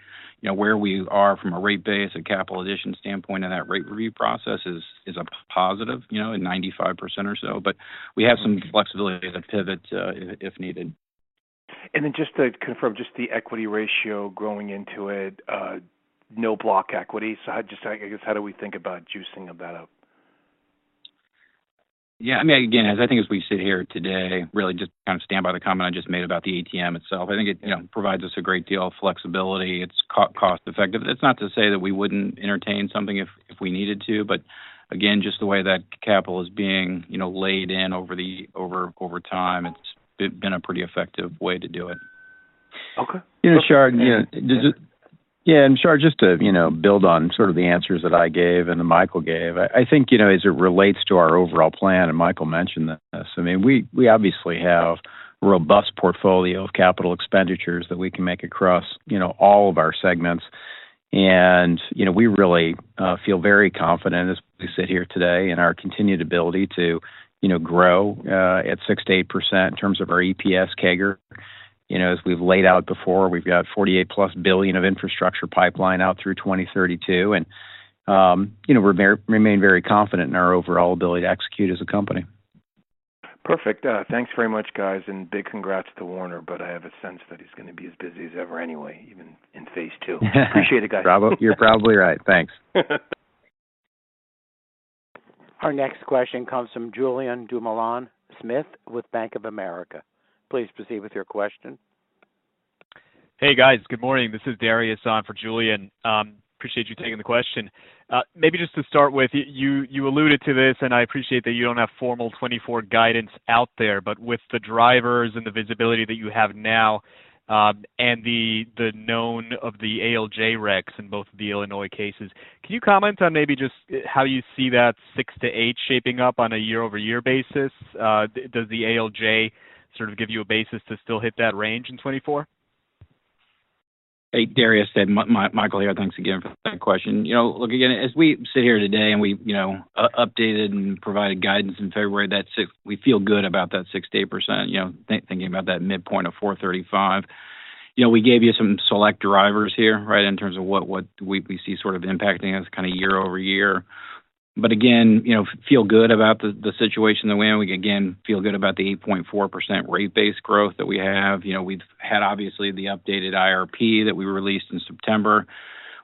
you know, where we are from a rate base and capital addition standpoint in that rate review process is a positive, you know, in 95% or so. But we have some flexibility to pivot, if needed. And then just to confirm, just the equity ratio growing into it, no block equity. So I just, I guess, how do we think about juicing that up? Yeah, I mean, again, as I think as we sit here today, really just kind of stand by the comment I just made about the ATM itself. I think it, you know, provides us a great deal of flexibility. It's cost effective. It's not to say that we wouldn't entertain something if we needed to, but again, just the way that capital is being, you know, laid in over time, it's been a pretty effective way to do it. Okay. You know, Shar, you know, and Shar, just to, you know, build on sort of the answers that I gave and that Michael gave, I think, you know, as it relates to our overall plan, and Michael mentioned this, I mean, we, we obviously have a robust portfolio of capital expenditures that we can make across, you know, all of our segments. And, you know, we really feel very confident as we sit here today in our continued ability to, you know, grow at 6%-8% in terms of our EPS CAGR. You know, as we've laid out before, we've got $48+ billion of infrastructure pipeline out through 2032, and, you know, we remain very confident in our overall ability to execute as a company. Perfect. Thanks very much, guys, and big congrats to Warner, but I have a sense that he's gonna be as busy as ever anyway, even in phase two. Appreciate it, guys. You're probably right. Thanks. Our next question comes from Julian Dumoulin- Smith with Bank of America. Please proceed with your question. Hey, guys. Good morning. This is Darius on for Julian. Appreciate you taking the question. Maybe just to start with, you alluded to this, and I appreciate that you don't have formal 2024 guidance out there, but with the drivers and the visibility that you have now, and the known of the ALJ recs in both the Illinois cases, can you comment on maybe just how you see that 6-8 shaping up on a year-over-year basis? Does the ALJ sort of give you a basis to still hit that range in 2024? Hey, Darius, and Michael here. Thanks again for that question. You know, look, again, as we sit here today and we, you know, updated and provided guidance in February, that 6%... We feel good about that 6%-8%, you know, thinking about that midpoint of 435. You know, we gave you some select drivers here, right? In terms of what we see sort of impacting us kind of year-over-year. But again, you know, feel good about the situation that we're in. We, again, feel good about the 8.4% rate base growth that we have. You know, we've had, obviously, the updated IRP that we released in September.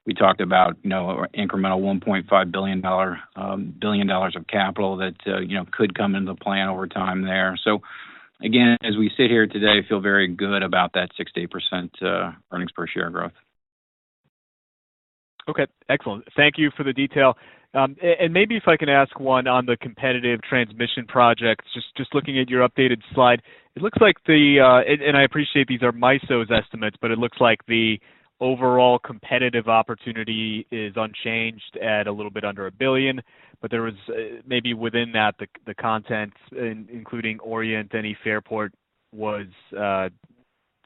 We talked about, you know, incremental $1.5 billion of capital that you know could come into play over time there. So again, as we sit here today, feel very good about that 6%-8% earnings per share growth. Okay, excellent. Thank you for the detail. And maybe if I can ask one on the competitive transmission project. Just looking at your updated slide, it looks like the... And I appreciate these are MISO's estimates, but it looks like the overall competitive opportunity is unchanged at a little bit under $1 billion, but there was maybe within that, the content including Orient-Denny Fairport was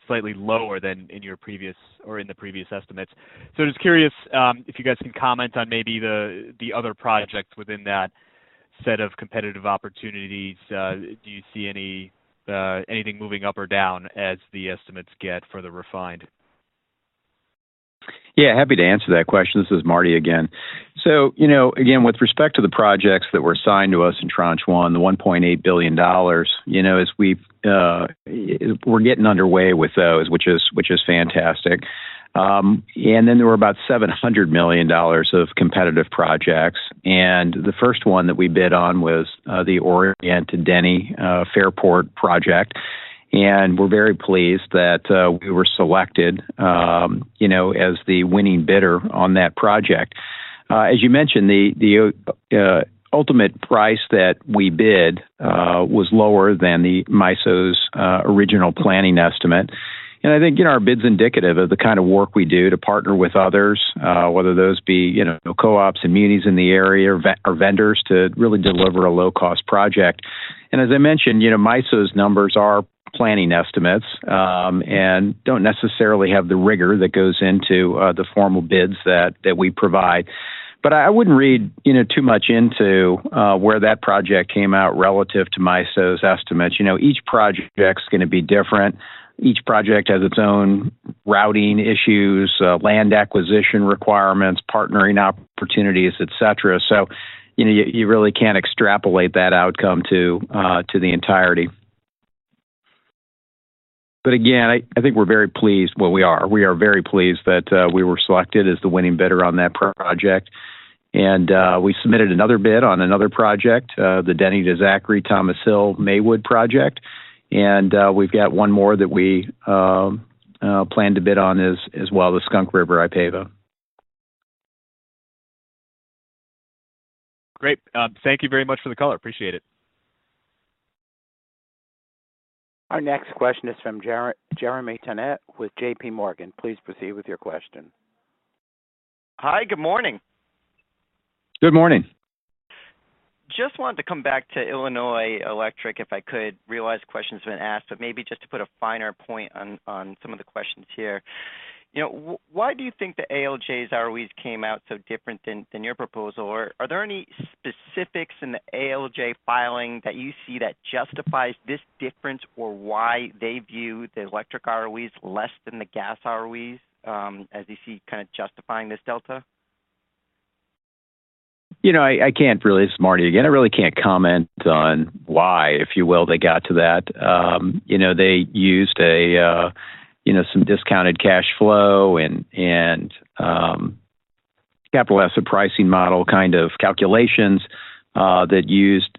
slightly lower than in your previous or in the previous estimates. So just curious, if you guys can comment on maybe the other projects within that set of competitive opportunities. Do you see anything moving up or down as the estimates get further refined? Yeah, happy to answer that question. This is Marty again. So, you know, again, with respect to the projects that were assigned to us in Tranche One, the $1.8 billion, you know, as we're getting underway with those, which is fantastic. And then there were about $700 million of competitive projects, and the first one that we bid on was the Orient-Denny Fairport project. And we're very pleased that we were selected, you know, as the winning bidder on that project. As you mentioned, the ultimate price that we bid was lower than MISO's original planning estimate. And I think, you know, our bid's indicative of the kind of work we do to partner with others, whether those be, you know, co-ops and munis in the area or vendors to really deliver a low-cost project. And as I mentioned, you know, MISO's numbers are planning estimates, and don't necessarily have the rigor that goes into the formal bids that we provide. But I wouldn't read, you know, too much into where that project came out relative to MISO's estimates. You know, each project's gonna be different. Each project has its own routing issues, land acquisition requirements, partnering opportunities, et cetera. So, you know, you really can't extrapolate that outcome to the entirety. But again, I think we're very pleased... Well, we are. We are very pleased that we were selected as the winning bidder on that project, and we submitted another bid on another project, the Denny to Zachary Thomas Hill Maywood project. We've got one more that we plan to bid on as well, the Skunk River to Ipava. Great. Thank you very much for the call. I appreciate it. Our next question is from Jeremy Tonet with JP Morgan. Please proceed with your question. Hi, good morning. Good morning. Just wanted to come back to Illinois Electric, if I could. I realize the question's been asked, but maybe just to put a finer point on some of the questions here. You know, why do you think the ALJ's ROEs came out so different than your proposal? Or are there any specifics in the ALJ filing that you see that justifies this difference, or why they view the electric ROEs less than the gas ROEs, as you see kind of justifying this delta? You know, I can't really—This is Marty again. I really can't comment on why, if you will, they got to that. You know, they used a, you know, some discounted cash flow and, and, capital asset pricing model kind of calculations, that used,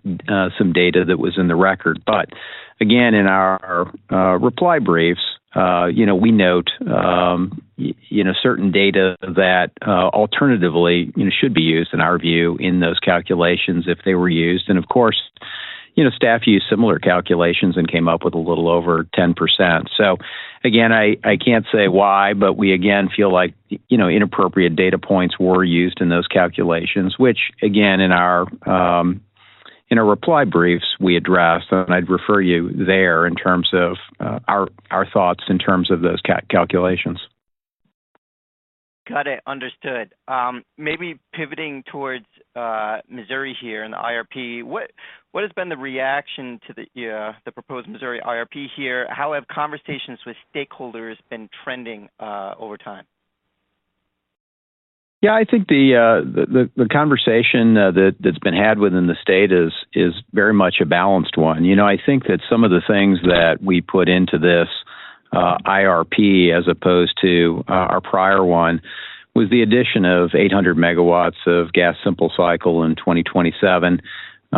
some data that was in the record. But again, in our, reply briefs, you know, we note, you know, certain data that, alternatively, you know, should be used, in our view, in those calculations if they were used. And of course, you know, staff used similar calculations and came up with a little over 10%. So again, I can't say why, but we again feel like, you know, inappropriate data points were used in those calculations, which again, in our reply briefs we addressed, and I'd refer you there in terms of our thoughts in terms of those calculations. Got it. Understood. Maybe pivoting towards Missouri here and the IRP, what has been the reaction to the proposed Missouri IRP here? How have conversations with stakeholders been trending over time? Yeah, I think the conversation that's been had within the state is very much a balanced one. You know, I think that some of the things that we put into this IRP as opposed to our prior one—with the addition of 800 megawatts of gas simple cycle in 2027,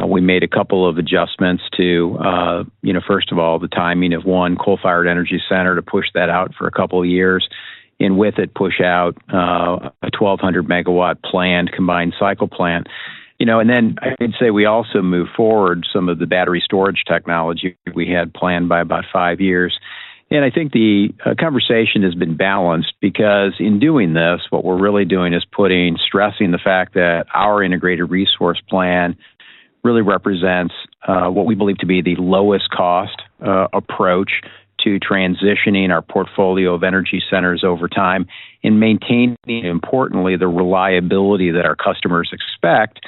we made a couple of adjustments to, you know, first of all, the timing of one coal-fired energy center to push that out for a couple of years, and with it, push out a 1,200-megawatt combined cycle plant. You know, and then I'd say we also moved forward some of the battery storage technology we had planned by about five years. I think the conversation has been balanced because in doing this, what we're really doing is putting stressing the fact that our integrated resource plan really represents what we believe to be the lowest cost approach to transitioning our portfolio of energy centers over time and maintaining, importantly, the reliability that our customers expect.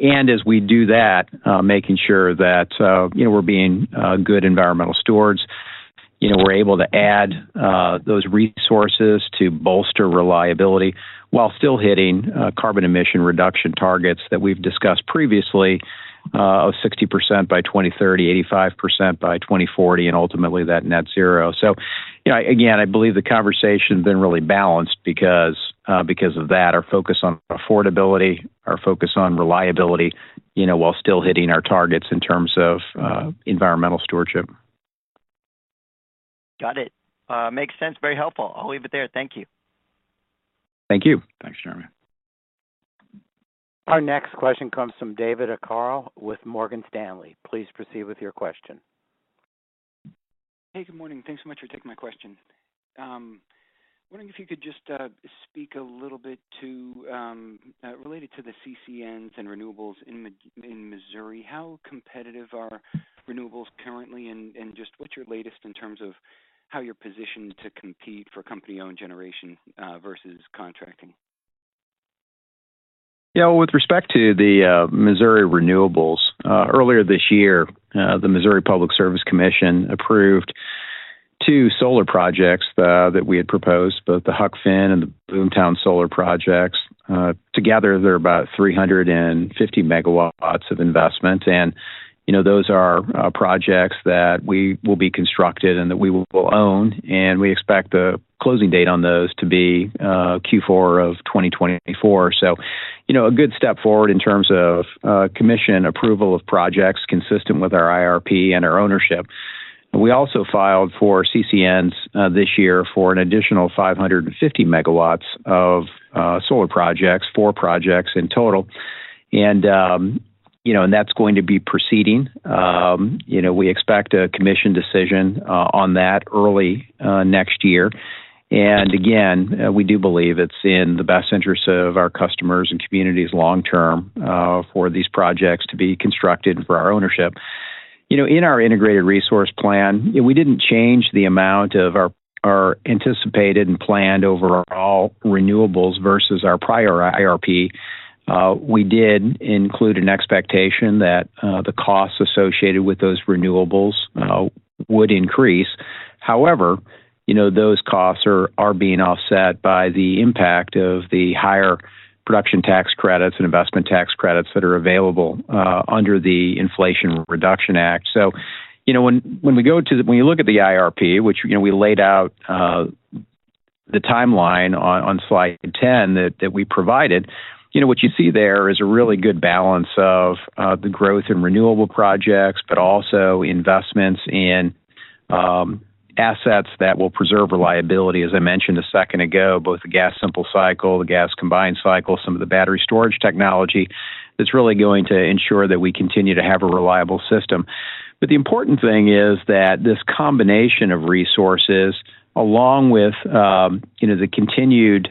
And as we do that, making sure that you know, we're being good environmental stewards. You know, we're able to add those resources to bolster reliability while still hitting carbon emission reduction targets that we've discussed previously of 60% by 2030, 85% by 2040, and ultimately that net zero. So, you know, again, I believe the conversation has been really balanced because, because of that, our focus on affordability, our focus on reliability, you know, while still hitting our targets in terms of, environmental stewardship. Got it. Makes sense. Very helpful. I'll leave it there. Thank you. Thank you. Thanks, Jeremy. Our next question comes from David Arcaro with Morgan Stanley. Please proceed with your question. Hey, good morning. Thanks so much for taking my question. Wondering if you could just speak a little bit to related to the CCNs and renewables in Missouri, how competitive are renewables currently, and just what's your latest in terms of how you're positioned to compete for company-owned generation versus contracting? Yeah, with respect to the Missouri renewables, earlier this year, the Missouri Public Service Commission approved two solar projects that we had proposed, both the Huck Finn Solar Project and the Boomtown Solar Project. Together, they're about 350 megawatts of investment, and, you know, those are projects that will be constructed and that we will own, and we expect the closing date on those to be Q4 of 2024. So, you know, a good step forward in terms of commission approval of projects consistent with our IRP and our ownership. We also filed for CCNs this year for an additional 550 megawatts of solar projects, four projects in total. You know, that's going to be proceeding. You know, we expect a commission decision on that early next year. And again, we do believe it's in the best interest of our customers and communities long term for these projects to be constructed for our ownership. You know, in our integrated resource plan, we didn't change the amount of our anticipated and planned overall renewables versus our prior IRP. We did include an expectation that the costs associated with those renewables would increase. However, you know, those costs are being offset by the impact of the higher production tax credits and investment tax credits that are available under the Inflation Reduction Act. So, you know, when you look at the IRP, which, you know, we laid out the timeline on slide 10 that we provided, you know, what you see there is a really good balance of the growth in renewable projects, but also investments in assets that will preserve reliability. As I mentioned a second ago, both the gas simple cycle, the gas combined cycle, some of the battery storage technology, that's really going to ensure that we continue to have a reliable system. But the important thing is that this combination of resources, along with, you know, the continued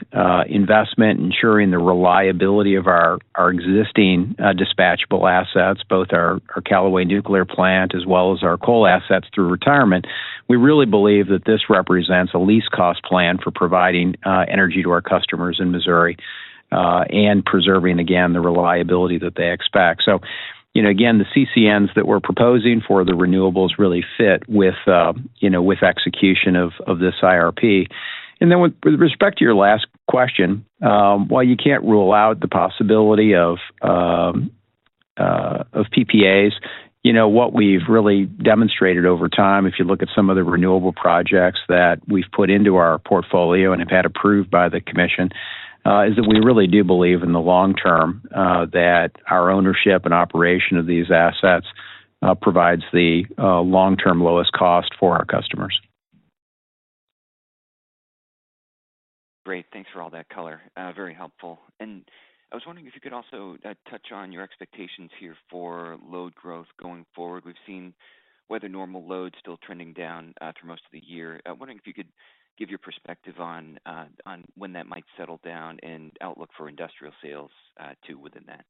investment, ensuring the reliability of our existing dispatchable assets, both our Callaway Energy Center as well as our coal assets through retirement, we really believe that this represents a least cost plan for providing energy to our customers in Missouri, and preserving, again, the reliability that they expect. So, you know, again, the CCNs that we're proposing for the renewables really fit with, you know, with execution of this IRP. Then with respect to your last question, while you can't rule out the possibility of PPAs, you know, what we've really demonstrated over time, if you look at some of the renewable projects that we've put into our portfolio and have had approved by the commission, is that we really do believe in the long term that our ownership and operation of these assets provides the long-term lowest cost for our customers. Great. Thanks for all that color. Very helpful. I was wondering if you could also touch on your expectations here for load growth going forward. We've seen weather normal loads still trending down through most of the year. I'm wondering if you could give your perspective on when that might settle down and outlook for industrial sales, too, within that.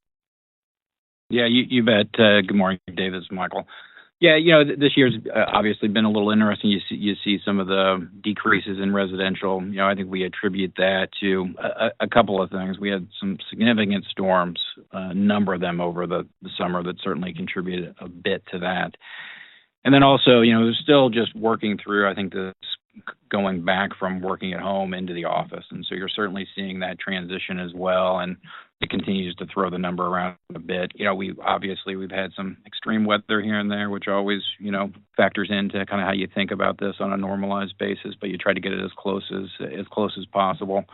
Yeah, you bet. Good morning, David, this is Michael. Yeah, you know, this year's obviously been a little interesting. You see some of the decreases in residential. You know, I think we attribute that to a couple of things. We had some significant storms, a number of them over the summer that certainly contributed a bit to that. And then also, you know, there's still just working through, I think, this going back from working at home into the office, and so you're certainly seeing that transition as well, and it continues to throw the number around a bit. You know, we've obviously had some extreme weather here and there, which always, you know, factors into kind of how you think about this on a normalized basis, but you try to get it as close as possible.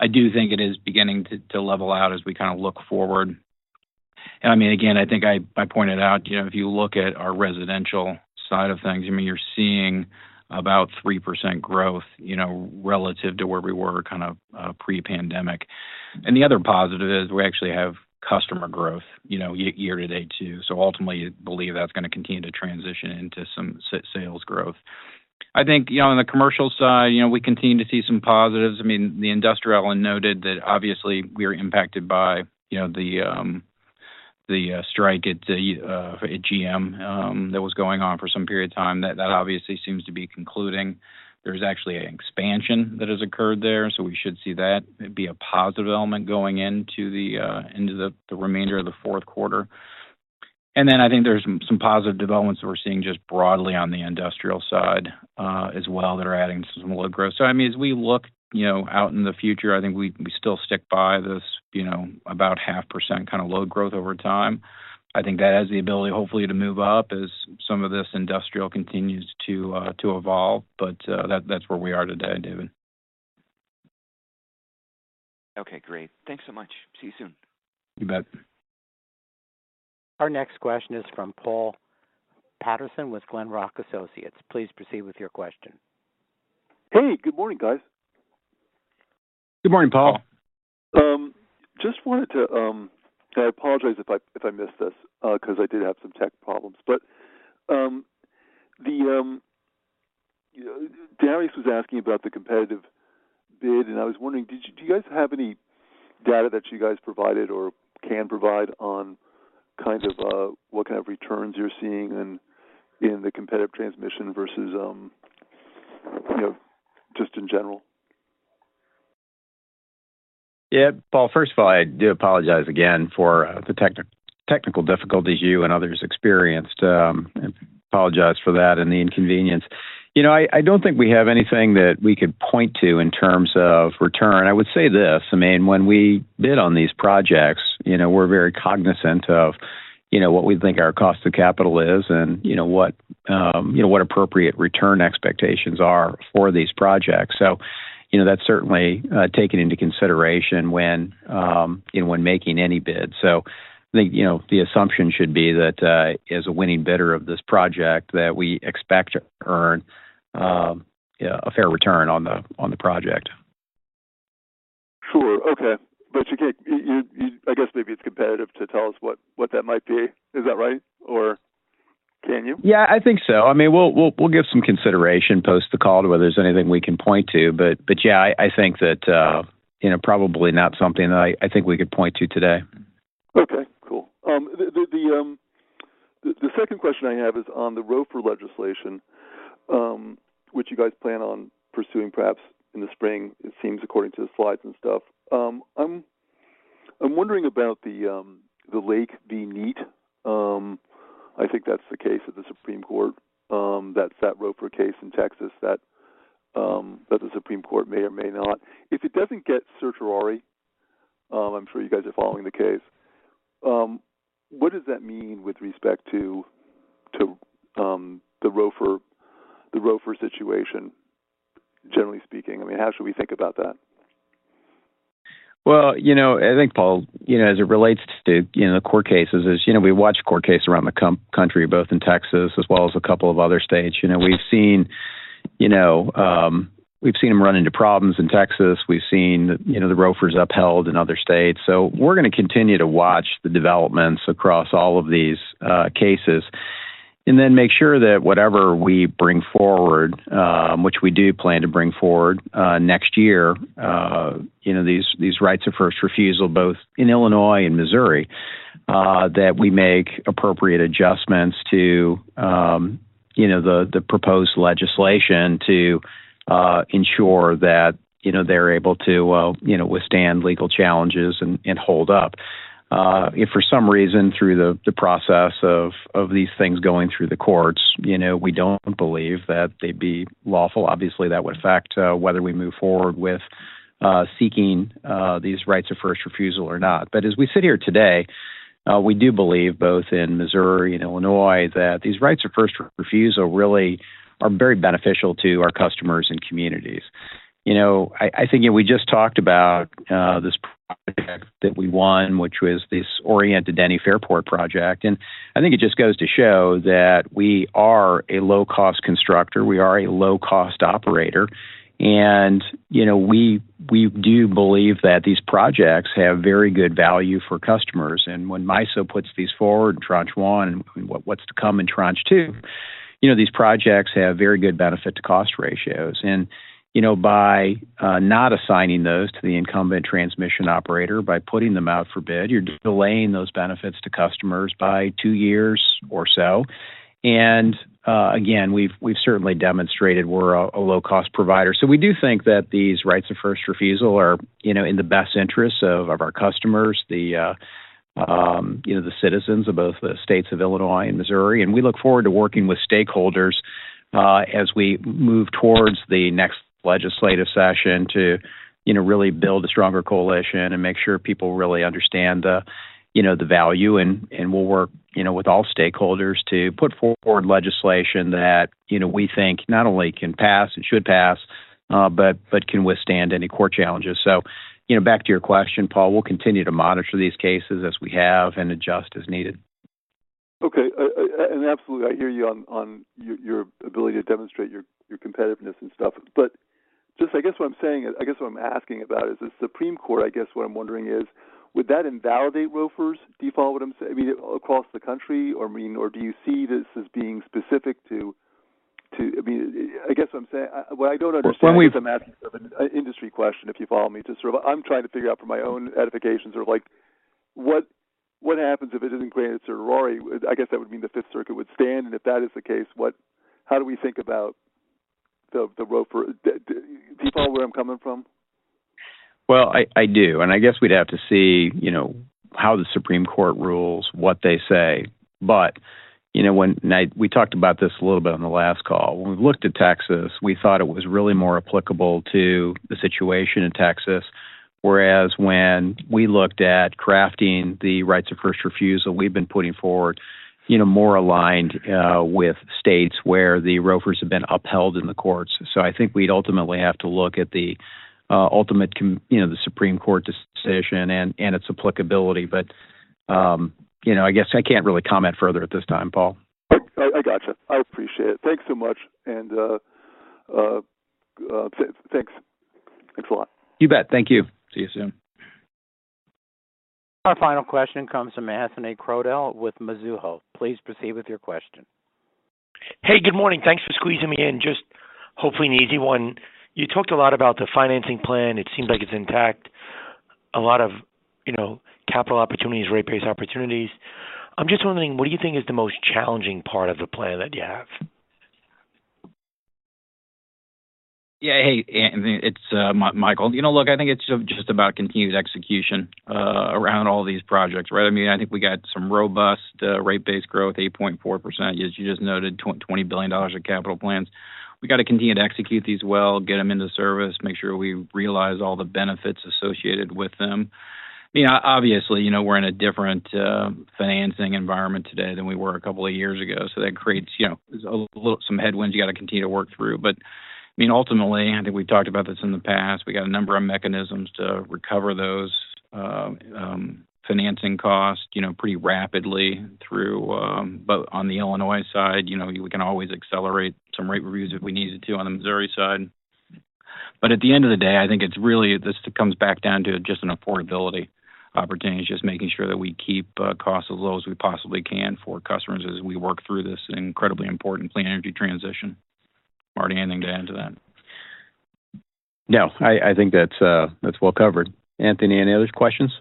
I do think it is beginning to level out as we kind of look forward. And I mean, again, I think I pointed out, you know, if you look at our residential side of things, I mean, you're seeing about 3% growth, you know, relative to where we were kind of pre-pandemic. And the other positive is we actually have customer growth, you know, year to date, too. So ultimately, I believe that's going to continue to transition into some sales growth. I think, you know, on the commercial side, you know, we continue to see some positives. I mean, the industrial one noted that obviously we are impacted by, you know, the strike at the GM that was going on for some period of time. That obviously seems to be concluding. There's actually an expansion that has occurred there, so we should see that. It'd be a positive element going into the remainder of the fourth quarter. And then I think there's some positive developments that we're seeing just broadly on the industrial side, as well, that are adding some load growth. So I mean, as we look, you know, out in the future, I think we, we still stick by this, you know, about 0.5% kind of load growth over time. I think that has the ability, hopefully, to move up as some of this industrial continues to evolve. But, that, that's where we are today, David. Okay, great. Thanks so much. See you soon. You bet. Our next question is from Paul Patterson with Glenrock Associates. Please proceed with your question. Hey, good morning, guys. Good morning, Paul. Just wanted to, I apologize if I missed this, 'cause I did have some tech problems. But you know, Darius was asking about the competitive bid, and I was wondering, did you--do you guys have any data that you guys provided or can provide on kinds of, what kind of returns you're seeing in the competitive transmission versus, you know, just in general? Yeah, Paul, first of all, I do apologize again for the technical difficulties you and others experienced. I apologize for that and the inconvenience. You know, I don't think we have anything that we could point to in terms of return. I would say this: I mean, when we bid on these projects, you know, we're very cognizant of what we think our cost of capital is and what appropriate return expectations are for these projects. So, you know, that's certainly taken into consideration when making any bid. So I think, you know, the assumption should be that as a winning bidder of this project, that we expect to earn a fair return on the project. Sure. Okay. But you can't... I guess maybe it's competitive to tell us what, what that might be. Is that right? Or can you? Yeah, I think so. I mean, we'll give some consideration post the call to whether there's anything we can point to. But, yeah, I think that, you know, probably not something that I think we could point to today. Okay, cool. The second question I have is on the ROFR legislation, which you guys plan on pursuing, perhaps in the spring, it seems, according to the slides and stuff. I'm wondering about the Lake v. NextEra. I think that's the case at the Supreme Court, that's that ROFR case in Texas that the Supreme Court may or may not. If it doesn't get certiorari, I'm sure you guys are following the case, what does that mean with respect to the ROFR, the ROFR situation, generally speaking? I mean, how should we think about that? Well, you know, I think, Paul, you know, as it relates to, you know, the court cases is, you know, we watch court cases around the country, both in Texas as well as a couple of other states. You know, we've seen, you know, we've seen them run into problems in Texas. We've seen, you know, the ROFRs upheld in other states. So we're going to continue to watch the developments across all of these cases and then make sure that whatever we bring forward, which we do plan to bring forward next year, you know, these, these rights of first refusal, both in Illinois and Missouri, that we make appropriate adjustments to, you know, the proposed legislation to ensure that, you know, they're able to, you know, withstand legal challenges and hold up. If for some reason, through the process of these things going through the courts, you know, we don't believe that they'd be lawful, obviously, that would affect whether we move forward with seeking these rights of first refusal or not. But as we sit here today, we do believe, both in Missouri and Illinois, that these rights of first refusal really are very beneficial to our customers and communities. You know, I think, you know, we just talked about this project that we won, which was this Orient-Denny Fairport project, and I think it just goes to show that we are a low-cost constructor, we are a low-cost operator, and, you know, we do believe that these projects have very good value for customers. When MISO puts these forward, Tranche 1, what's to come in Tranche 2, you know, these projects have very good benefit-to-cost ratios. You know, by not assigning those to the incumbent transmission operator, by putting them out for bid, you're delaying those benefits to customers by 2 years or so. Again, we've certainly demonstrated we're a low-cost provider. So we do think that these rights of first refusal are, you know, in the best interests of our customers, the citizens of both the states of Illinois and Missouri. We look forward to working with stakeholders as we move towards the next legislative session to, you know, really build a stronger coalition and make sure people really understand the, you know, the value and, and we'll work, you know, with all stakeholders to put forward legislation that, you know, we think not only can pass and should pass, but can withstand any court challenges. So, you know, back to your question, Paul, we'll continue to monitor these cases as we have, and adjust as needed. Okay. And absolutely, I hear you on your ability to demonstrate your competitiveness and stuff. But just, I guess what I'm saying is, I guess what I'm asking about is the Supreme Court. I guess what I'm wondering is, would that invalidate ROFRs? Do you follow what I'm saying? I mean, across the country, or, I mean, or do you see this as being specific to, to, I mean, I guess what I'm saying, what I don't understand- Well, let me- I'm asking an industry question, if you follow me. Just sort of I'm trying to figure out for my own edification, sort of like, what, what happens if it isn't granted, certiorari? I guess that would mean the Fifth Circuit would stand, and if that is the case, what, how do we think about the, the ROFR? Do you follow where I'm coming from? Well, I do, and I guess we'd have to see, you know, how the Supreme Court rules, what they say. But, you know, when we talked about this a little bit on the last call. When we looked at Texas, we thought it was really more applicable to the situation in Texas, whereas when we looked at crafting the rights of first refusal, we've been putting forward, you know, more aligned with states where the ROFRs have been upheld in the courts. So I think we'd ultimately have to look at the, you know, the Supreme Court decision and its applicability. But, you know, I guess I can't really comment further at this time, Paul. I gotcha. I appreciate it. Thanks so much, and thanks. Thanks a lot. You bet. Thank you. See you soon. Our final question comes from Anthony Crowdell with Mizuho. Please proceed with your question. Hey, good morning. Thanks for squeezing me in. Just hopefully an easy one. You talked a lot about the financing plan. It seems like it's intact. A lot of, you know, capital opportunities, rate-based opportunities. I'm just wondering, what do you think is the most challenging part of the plan that you have? Yeah, hey, A-, it's Michael. You know, look, I think it's just about continued execution around all these projects, right? I mean, I think we got some robust rate-based growth, 8.4%. As you just noted, $20 billion of capital plans. We got to continue to execute these well, get them into service, make sure we realize all the benefits associated with them. I mean, obviously, you know, we're in a different financing environment today than we were a couple of years ago, so that creates, you know, some headwinds you got to continue to work through. But, I mean, ultimately, I think we've talked about this in the past. We've got a number of mechanisms to recover those financing costs, you know, pretty rapidly through both on the Illinois side, you know, we can always accelerate some rate reviews if we needed to on the Missouri side. But at the end of the day, I think it's really this comes back down to just an affordability opportunity, just making sure that we keep costs as low as we possibly can for customers as we work through this incredibly important clean energy transition. Marty, anything to add to that? No, I think that's, that's well covered. Anthony, any other questions?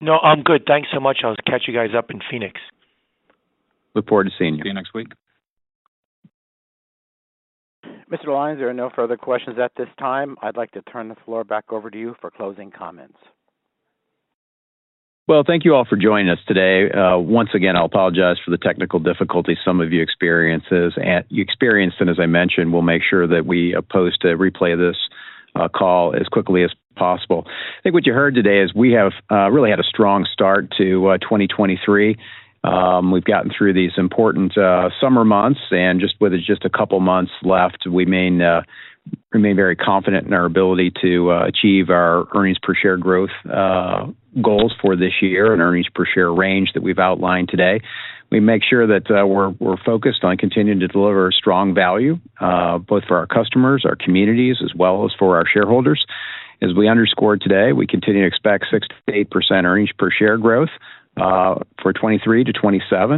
No, I'm good. Thanks so much. I'll catch you guys up in Phoenix. Look forward to seeing you. See you next week. Mr. Lyons, there are no further questions at this time. I'd like to turn the floor back over to you for closing comments. Well, thank you all for joining us today. Once again, I'll apologize for the technical difficulty some of you experienced, and as I mentioned, we'll make sure that we post a replay of this call as quickly as possible. I think what you heard today is we have really had a strong start to 2023. We've gotten through these important summer months, and just with a couple of months left, we remain very confident in our ability to achieve our earnings per share growth goals for this year and earnings per share range that we've outlined today. We make sure that we're focused on continuing to deliver strong value both for our customers, our communities, as well as for our shareholders. As we underscored today, we continue to expect 6%-8% earnings per share growth for 2023-2027.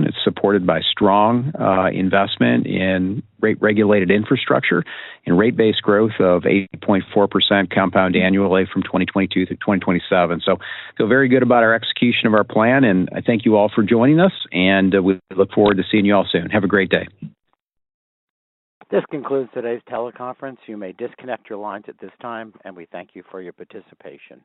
It's supported by strong investment in rate-regulated infrastructure and rate-based growth of 8.4% compound annually from 2022 through 2027. So feel very good about our execution of our plan, and I thank you all for joining us, and we look forward to seeing you all soon. Have a great day. This concludes today's teleconference. You may disconnect your lines at this time, and we thank you for your participation.